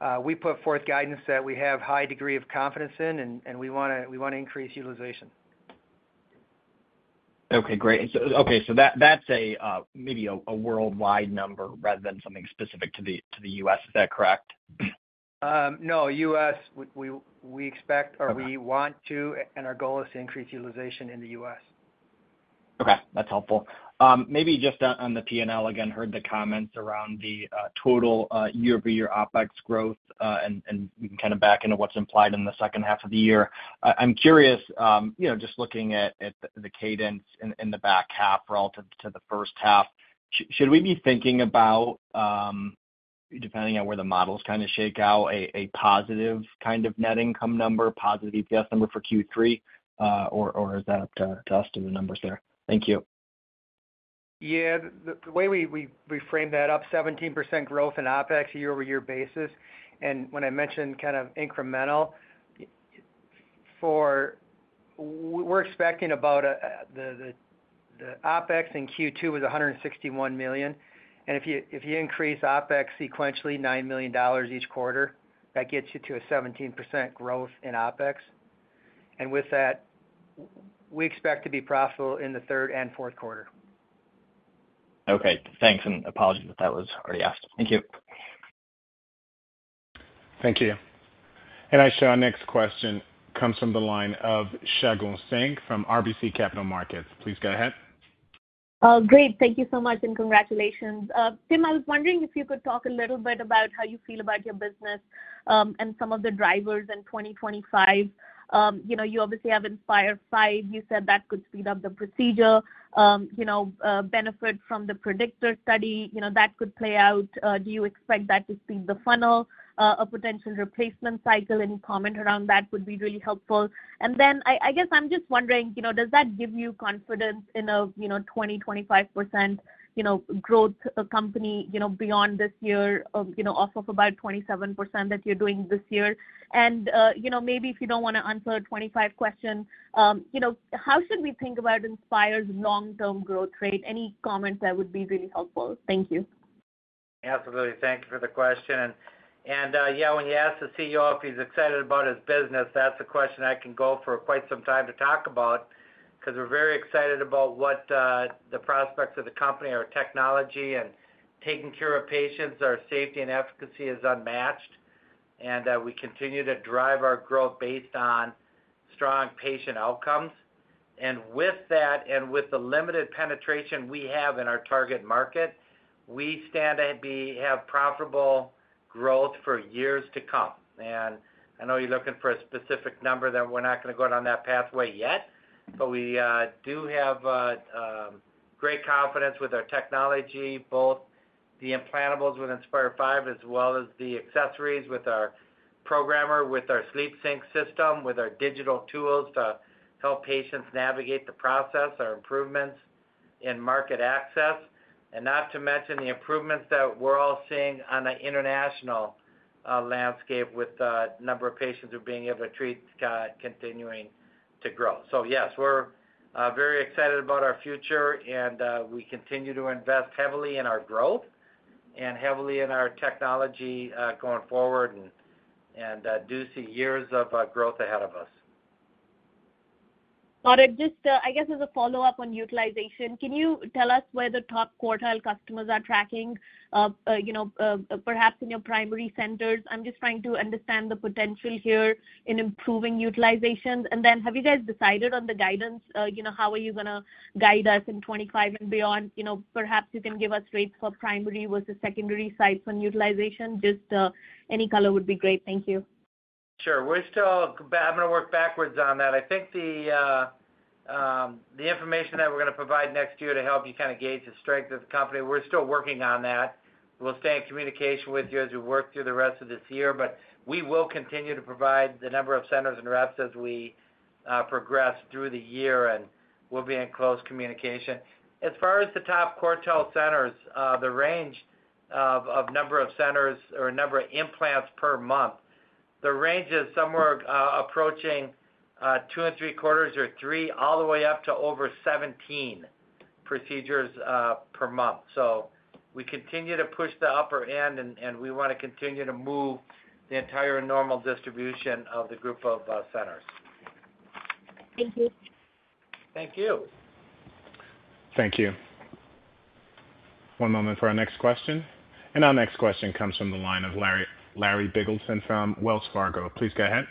again, we put forth guidance that we have high degree of confidence in, and we wanna increase utilization. Okay, great. So, okay, so that, that's a maybe a worldwide number rather than something specific to the U.S. Is that correct? No, U.S., we expect, or we want to, and our goal is to increase utilization in the U.S. Okay, that's helpful. Maybe just on, on the PNL again, heard the comments around the, total, year-over-year OpEx growth, and, and we can kind of back into what's implied in the second half of the year. I'm curious, you know, just looking at, at the, the cadence in, in the back half relative to the first half, should we be thinking about, depending on where the models kind of shake out, a, a positive kind of net income number, positive EPS number for Q3? Or, or is that up to, to us to the numbers there? Thank you. Yeah, the way we framed that up, 17% growth in OpEx year-over-year basis, and when I mentioned kind of incremental, we're expecting about a, the OpEx in Q2 was $161 million, and if you increase OpEx sequentially, $9 million each quarter, that gets you to a 17% growth in OpEx. And with that, we expect to be profitable in the third and Q4. Okay, thanks, and apologies if that was already asked. Thank you. Thank you. I show our next question comes from the line of Shagun Singh from RBC Capital Markets. Please go ahead. Great. Thank you so much, and congratulations. Tim, I was wondering if you could talk a little bit about how you feel about your business, and some of the drivers in 2025?... You know, you obviously have Inspire V. You said that could speed up the procedure, you know, benefit from the PREDICTOR study, you know, that could play out. Do you expect that to speed the funnel, a potential replacement cycle? Any comment around that would be really helpful. And then I guess I'm just wondering, you know, does that give you confidence in a, you know, 20%-25% growth company, you know, beyond this year of, you know, off of about 27% that you're doing this year? And, you know, maybe if you don't wanna answer a 25 question, you know, how should we think about Inspire's long-term growth rate? Any comments, that would be really helpful. Thank you. Absolutely. Thank you for the question. Yeah, when you ask the CEO if he's excited about his business, that's a question I can go for quite some time to talk about, 'cause we're very excited about what, the prospects of the company, our technology, and taking care of patients. Our safety and efficacy is unmatched, and we continue to drive our growth based on strong patient outcomes. With that, and with the limited penetration we have in our target market, we stand to have profitable growth for years to come. And I know you're looking for a specific number, that we're not gonna go down that pathway yet, but we do have great confidence with our technology, both the implantables with Inspire V, as well as the accessories with our programmer, with our SleepSync system, with our digital tools to help patients navigate the process, our improvements in market access. And not to mention the improvements that we're all seeing on the international landscape, with the number of patients who are being able to treat continuing to grow. So yes, we're very excited about our future, and we continue to invest heavily in our growth and heavily in our technology going forward, and do see years of growth ahead of us. Got it. Just, I guess as a follow-up on utilization, can you tell us where the top quartile customers are tracking, you know, perhaps in your primary centers? I'm just trying to understand the potential here in improving utilization. And then, have you guys decided on the guidance? You know, how are you gonna guide us in 2025 and beyond? You know, perhaps you can give us rates for primary versus secondary sites on utilization. Just, any color would be great. Thank you. Sure. We're still. I'm gonna work backwards on that. I think the information that we're gonna provide next year to help you kind of gauge the strength of the company, we're still working on that. We'll stay in communication with you as we work through the rest of this year, but we will continue to provide the number of centers and reps as we progress through the year, and we'll be in close communication. As far as the top quartile centers, the range of number of centers or number of implants per month, the range is somewhere approaching 2.75 or 3, all the way up to over 17 procedures per month. So we continue to push the upper end, and, and we wanna continue to move the entire normal distribution of the group of centers. Thank you. Thank you. Thank you. One moment for our next question. Our next question comes from the line of Larry Biegelsen from Wells Fargo. Please go ahead.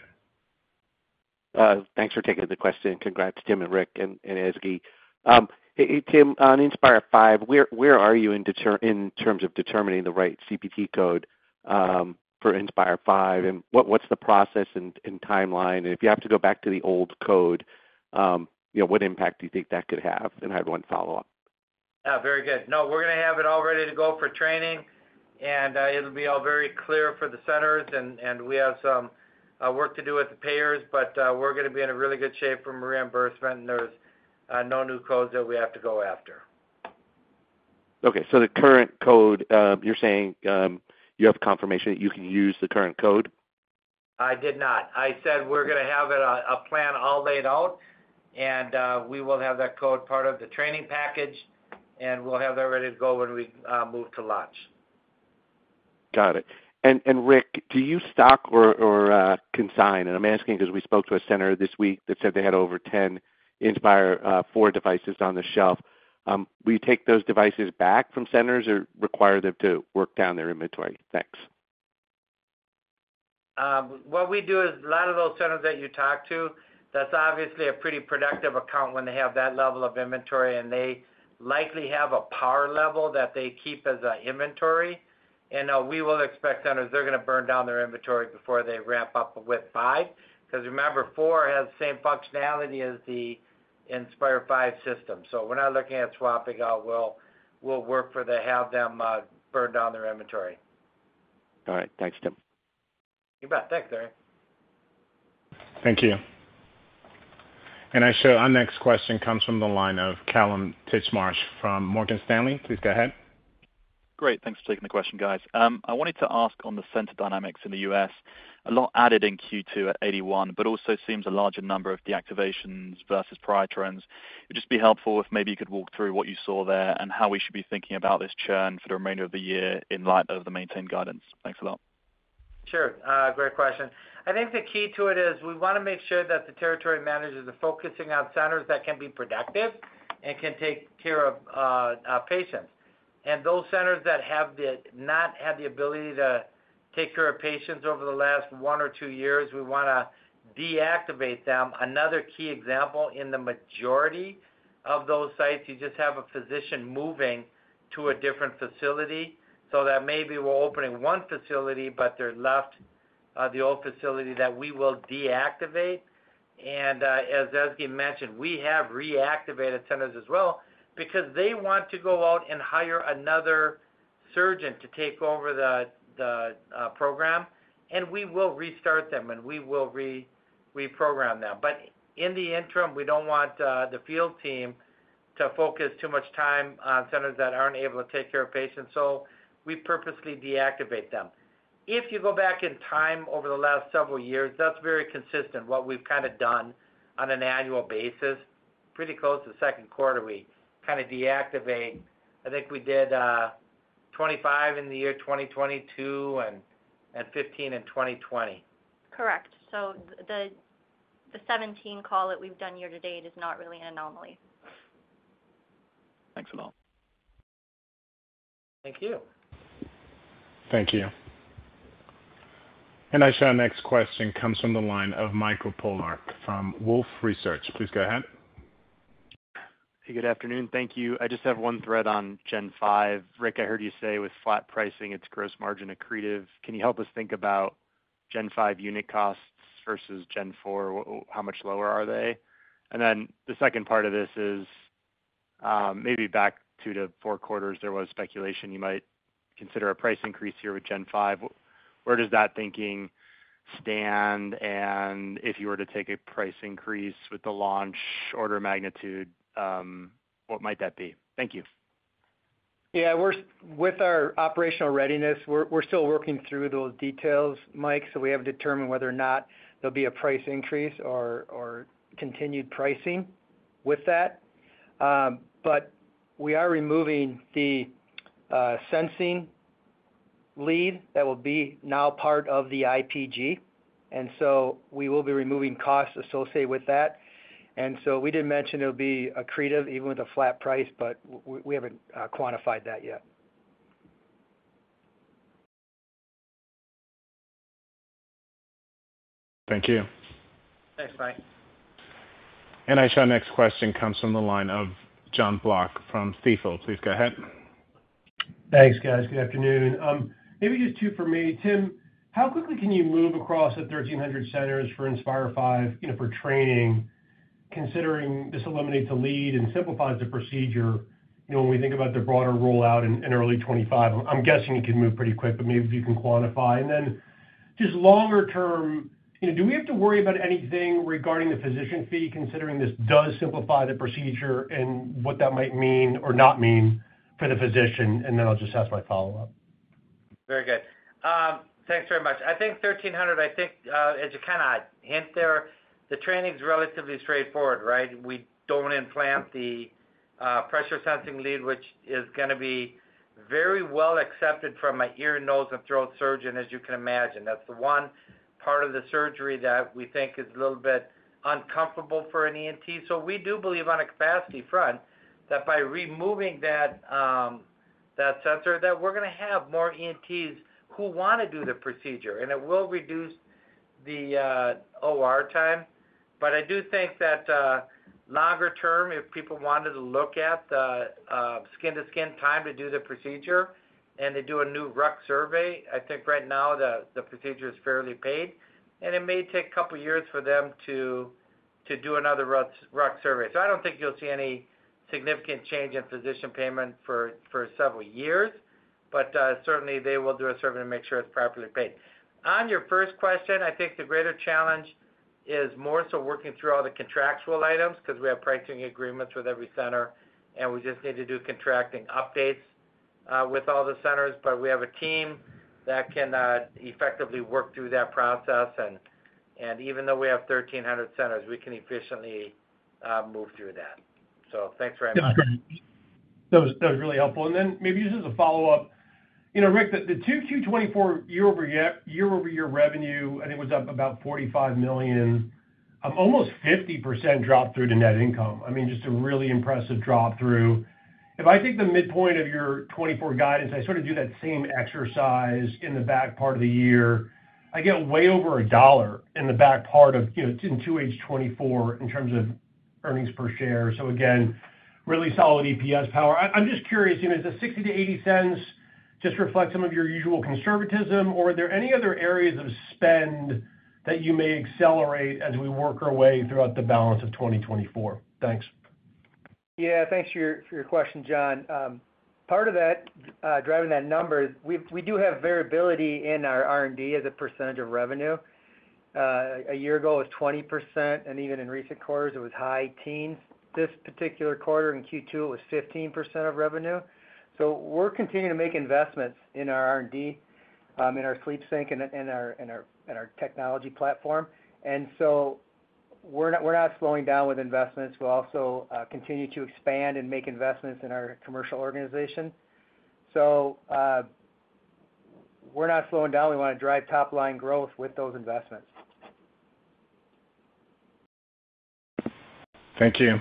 Thanks for taking the question, and congrats to Tim and Rick and Ezgi. Hey, Tim, on Inspire five, where are you in terms of determining the right CPT code for Inspire five, and what's the process and timeline? And if you have to go back to the old code, you know, what impact do you think that could have? And I have one follow-up. Yeah, very good. No, we're gonna have it all ready to go for training, and it'll be all very clear for the centers, and we have some work to do with the payers, but we're gonna be in a really good shape for reimbursement. There's no new codes that we have to go after. Okay, so the current code, you're saying, you have confirmation that you can use the current code? I did not. I said we're gonna have it, a plan all laid out, and we will have that code part of the training package, and we'll have that ready to go when we move to launch. Got it. And Rick, do you stock or consign? And I'm asking because we spoke to a center this week that said they had over 10 Inspire IV devices on the shelf. Will you take those devices back from centers or require them to work down their inventory? Thanks. What we do is, a lot of those centers that you talk to, that's obviously a pretty productive account when they have that level of inventory, and they likely have a par level that they keep as an inventory. And, we will expect centers, they're gonna burn down their inventory before they ramp up with five. Because remember, four has the same functionality as the Inspire five system. So we're not looking at swapping out. We'll, we'll work for they have them, burn down their inventory. All right. Thanks, Tim. You bet. Thanks, Larry. Thank you. I show our next question comes from the line of Kallum Titchmarsh from Morgan Stanley. Please go ahead. Great, thanks for taking the question, guys. I wanted to ask on the center dynamics in the U.S., a lot added in Q2 at 81, but also seems a larger number of deactivations versus prior trends. It'd just be helpful if maybe you could walk through what you saw there and how we should be thinking about this churn for the remainder of the year in light of the maintained guidance. Thanks a lot. Sure. Great question. I think the key to it is we want to make sure that the territory managers are focusing on centers that can be productive and can take care of our patients. And those centers that have not had the ability to take care of patients over the last one or two years, we wanna deactivate them. Another key example, in the majority of those sites, you just have a physician moving to a different facility. So that maybe we're opening one facility, but they're the old facility that we will deactivate. And, as Eske mentioned, we have reactivated centers as well because they want to go out and hire another surgeon to take over the program, and we will restart them, and we will reprogram them. But in the interim, we don't want the field team to focus too much time on centers that aren't able to take care of patients, so we purposely deactivate them. If you go back in time over the last several years, that's very consistent. What we've kind of done on an annual basis, pretty close to the Q2, we kind of deactivate. I think we did 25 in the year 2022 and fifteen in 2020. Correct. So the 17 call that we've done year to date is not really an anomaly. Thanks a lot. Thank you. Thank you. Our next question comes from the line of Michael Polark from Wolfe Research. Please go ahead. Hey, good afternoon. Thank you. I just have one thread on Gen five. Rick, I heard you say with flat pricing, it's gross margin accretive. Can you help us think about Gen five unit costs versus Gen four? How much lower are they? And then the second part of this is, maybe back two to four quarters, there was speculation you might consider a price increase here with Gen five. Where does that thinking stand? And if you were to take a price increase with the launch order of magnitude, what might that be? Thank you. Yeah, we're with our operational readiness, we're still working through those details, Mike. So we have to determine whether or not there'll be a price increase or continued pricing with that. But we are removing the sensing lead that will be now part of the IPG, and so we will be removing costs associated with that. And so we did mention it'll be accretive even with a flat price, but we haven't quantified that yet. Thank you. Thanks, Mike. Our next question comes from the line of Jon Block from Stifel. Please go ahead. Thanks, guys. Good afternoon. Maybe just two for me. Tim, how quickly can you move across the 1,300 centers for Inspire V, you know, for training, considering this eliminates a lead and simplifies the procedure? You know, when we think about the broader rollout in early 2025, I'm guessing it can move pretty quick, but maybe if you can quantify. And then just longer term, you know, do we have to worry about anything regarding the physician fee, considering this does simplify the procedure and what that might mean or not mean for the physician? And then I'll just ask my follow-up. Very good. Thanks very much. I think 1,300, I think, as you kind of hint there, the training is relatively straightforward, right? We don't implant the pressure sensing lead, which is gonna be very well accepted from an ear, nose, and throat surgeon, as you can imagine. That's the one part of the surgery that we think is a little bit uncomfortable for an ENT. So we do believe on a capacity front, that by removing that, that sensor, that we're gonna have more ENTs who want to do the procedure, and it will reduce the OR time. But I do think that, longer term, if people wanted to look at the skin-to-skin time to do the procedure and to do a new RUC survey, I think right now the procedure is fairly paid, and it may take a couple of years for them to do another RUC survey. So I don't think you'll see any significant change in physician payment for several years, but certainly they will do a survey to make sure it's properly paid. On your first question, I think the greater challenge is more so working through all the contractual items, because we have pricing agreements with every center, and we just need to do contracting updates with all the centers. We have a team that can effectively work through that process, and even though we have 1,300 centers, we can efficiently move through that. Thanks very much. Yeah, that was, that was really helpful. And then maybe just as a follow-up, you know, Rick, the, the 2Q 2024 year-over-year, year-over-year revenue, I think, was up about $45 million, almost 50% drop through to net income. I mean, just a really impressive drop through. If I take the midpoint of your 2024 guidance, I sort of do that same exercise in the back part of the year. I get way over $1 in the back part of, you know, in 2H 2024 in terms of earnings per share. So again, really solid EPS power. I, I'm just curious, you know, does the $0.60-$0.80 just reflect some of your usual conservatism, or are there any other areas of spend that you may accelerate as we work our way throughout the balance of 2024? Thanks. Yeah, thanks for your, for your question, John. Part of that, driving that number, we, we do have variability in our R&D as a percentage of revenue. A year ago, it was 20%, and even in recent quarters, it was high teens. This particular quarter in Q2, it was 15% of revenue. So we're continuing to make investments in our R&D, in our SleepSync and our technology platform, and so we're not, we're not slowing down with investments. We'll also continue to expand and make investments in our commercial organization. So, we're not slowing down. We want to drive top-line growth with those investments. Thank you.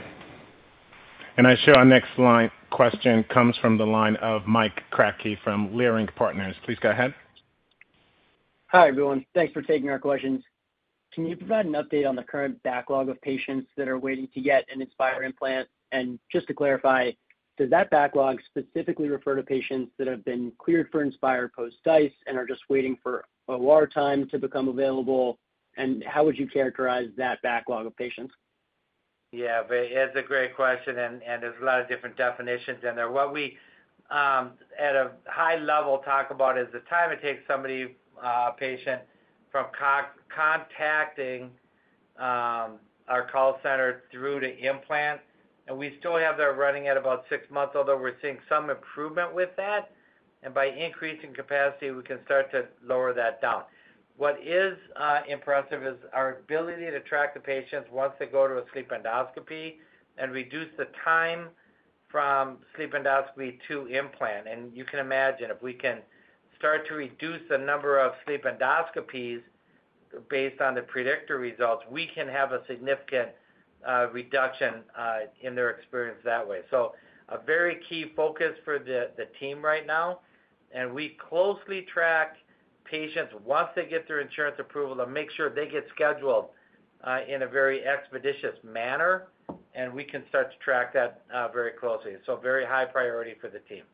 Our next question comes from the line of Mike Kratky from Leerink Partners. Please go ahead. Hi, everyone. Thanks for taking our questions. Can you provide an update on the current backlog of patients that are waiting to get an Inspire implant? And just to clarify, does that backlog specifically refer to patients that have been cleared for Inspire post-DICE and are just waiting for OR time to become available? And how would you characterize that backlog of patients? Yeah, but it's a great question, and there's a lot of different definitions in there. What we at a high level talk about is the time it takes somebody a patient from contacting our call center through to implant, and we still have that running at about six months, although we're seeing some improvement with that. And by increasing capacity, we can start to lower that down. What is impressive is our ability to track the patients once they go to a sleep endoscopy and reduce the time from sleep endoscopy to implant. And you can imagine, if we can start to reduce the number of sleep endoscopies based on the predictor results, we can have a significant reduction in their experience that way. So a very key focus for the team right now, and we closely track patients once they get their insurance approval to make sure they get scheduled in a very expeditious manner, and we can start to track that very closely. So very high priority for the team.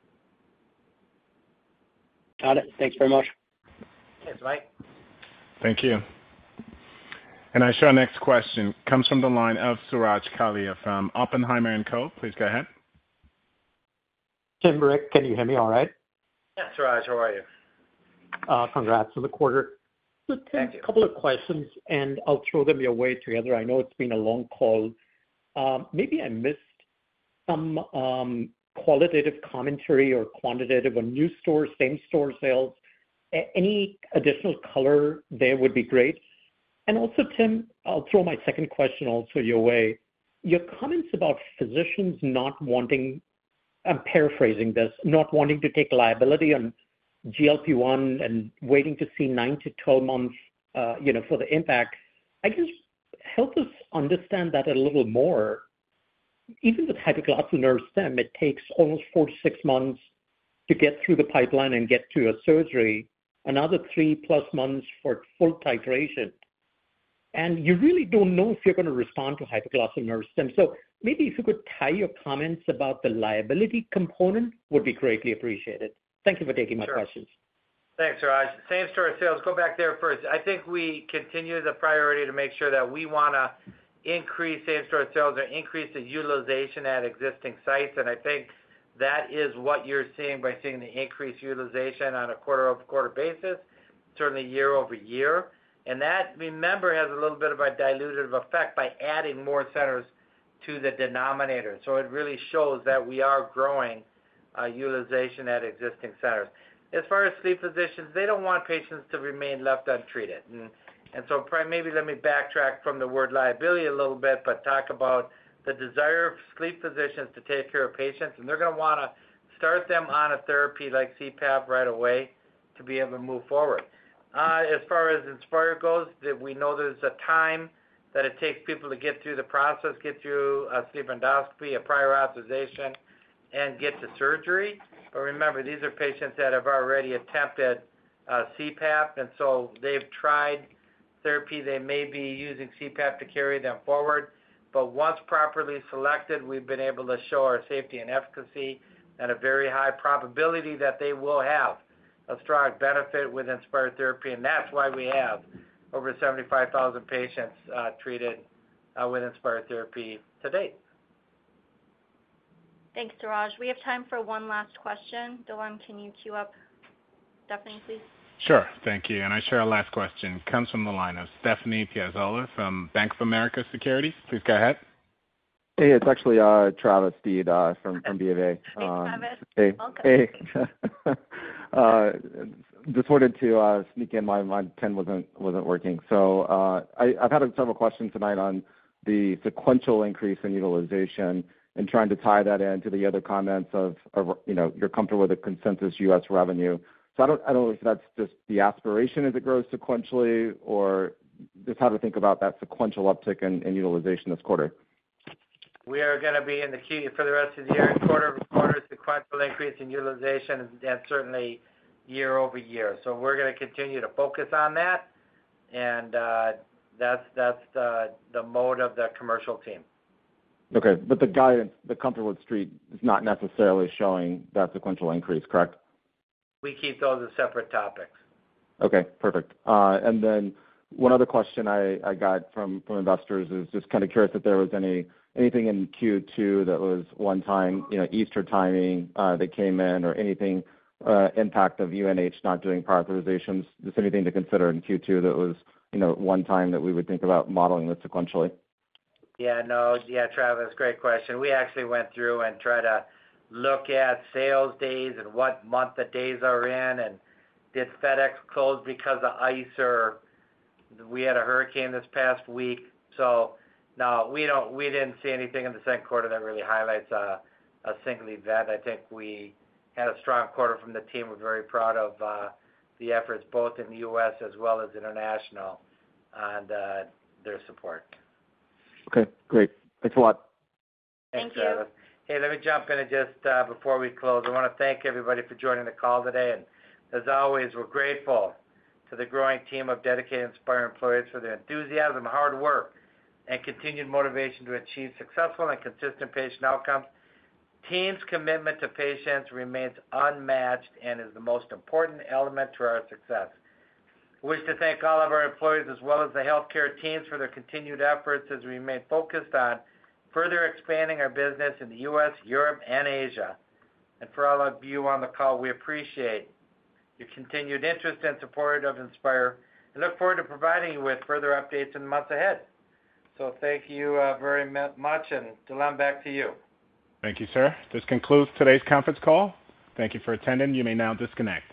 Got it. Thanks very much. Thanks, Mike. Thank you. And our next question comes from the line of Suraj Kalia from Oppenheimer & Co. Please go ahead. Tim Herbert, can you hear me all right? Yeah, Suraj, how are you? Congrats on the quarter. Thank you. So Tim, a couple of questions, and I'll throw them your way together. I know it's been a long call. Maybe I missed some qualitative commentary or quantitative on new stores, same-store sales. Any additional color there would be great. And also, Tim, I'll throw my second question also your way. Your comments about physicians not wanting, I'm paraphrasing this, not wanting to take liability on GLP-1 and waiting to see 9-12 months, you know, for the impact, I just... Help us understand that a little more. Even with hypoglossal nerve stimulation, it takes almost 4-6 months to get through the pipeline and get to a surgery, another 3+ months for full titration. And you really don't know if you're going to respond to hypoglossal nerve stimulation. Maybe if you could tie your comments about the liability component, would be greatly appreciated. Thank you for taking my questions. Sure. Thanks, Suraj. Same-store sales, go back there first. I think we continue the priority to make sure that we wanna increase same-store sales or increase the utilization at existing sites, and I think that is what you're seeing by seeing the increased utilization on a quarter-over-quarter basis, certainly year-over-year. And that, remember, has a little bit of a dilutive effect by adding more centers to the denominator. So it really shows that we are growing utilization at existing centers. As far as sleep physicians, they don't want patients to remain left untreated. And so, maybe let me backtrack from the word liability a little bit, but talk about the desire of sleep physicians to take care of patients, and they're gonna wanna start them on a therapy like CPAP right away to be able to move forward. As far as Inspire goes, that we know there's a time that it takes people to get through the process, get through a sleep endoscopy, a prior authorization, and get to surgery. But remember, these are patients that have already attempted, CPAP, and so they've tried therapy. They may be using CPAP to carry them forward, but once properly selected, we've been able to show our safety and efficacy at a very high probability that they will have a strong benefit with Inspire therapy, and that's why we have over 75,000 patients, treated, with Inspire therapy to date. Thanks, Suraj. We have time for one last question. Delano, can you queue up Stephanie, please? Sure. Thank you. Our final question comes from the line of Stephanie Piazzola from Bank of America Securities. Please go ahead. Hey, it's actually, Travis Steed, from B of A. Hey, Travis. Hey. Welcome. Just wanted to sneak in. My pen wasn't working. So, I've had several questions tonight on the sequential increase in utilization and trying to tie that in to the other comments of you know, you're comfortable with the consensus US revenue. So I don't know if that's just the aspiration as it grows sequentially, or just how to think about that sequential uptick in utilization this quarter. We are gonna be in the key for the rest of the year, quarter-over-quarter, sequential increase in utilization, and certainly year-over-year. So we're gonna continue to focus on that, and that's the mode of the commercial team. Okay, but the guidance, the comfort with Street, is not necessarily showing that sequential increase, correct? We keep those as separate topics. Okay, perfect. And then one other question I got from investors is just kind of curious if there was anything in Q2 that was one time, you know, Easter timing, that came in or anything, impact of UNH not doing prior authorizations. Just anything to consider in Q2 that was, you know, one time that we would think about modeling this sequentially? Yeah, no. Yeah, Travis, great question. We actually went through and tried to look at sales days and what month the days are in, and did FedEx close because of ice or we had a hurricane this past week? So no, we didn't see anything in the Q2 that really highlights a single event. I think we had a strong quarter from the team. We're very proud of the efforts both in the U.S. as well as international, and their support. Okay, great. Thanks a lot. Thank you. Thanks, Travis. Hey, let me jump in just before we close. I want to thank everybody for joining the call today, and as always, we're grateful to the growing team of dedicated Inspire employees for their enthusiasm, hard work, and continued motivation to achieve successful and consistent patient outcomes. Team's commitment to patients remains unmatched and is the most important element to our success. We wish to thank all of our employees as well as the healthcare teams for their continued efforts as we remain focused on further expanding our business in the US, Europe, and Asia. And for all of you on the call, we appreciate your continued interest and support of Inspire. I look forward to providing you with further updates in the months ahead. So thank you very much, and Delano, back to you. Thank you, sir. This concludes today's conference call. Thank you for attending. You may now disconnect.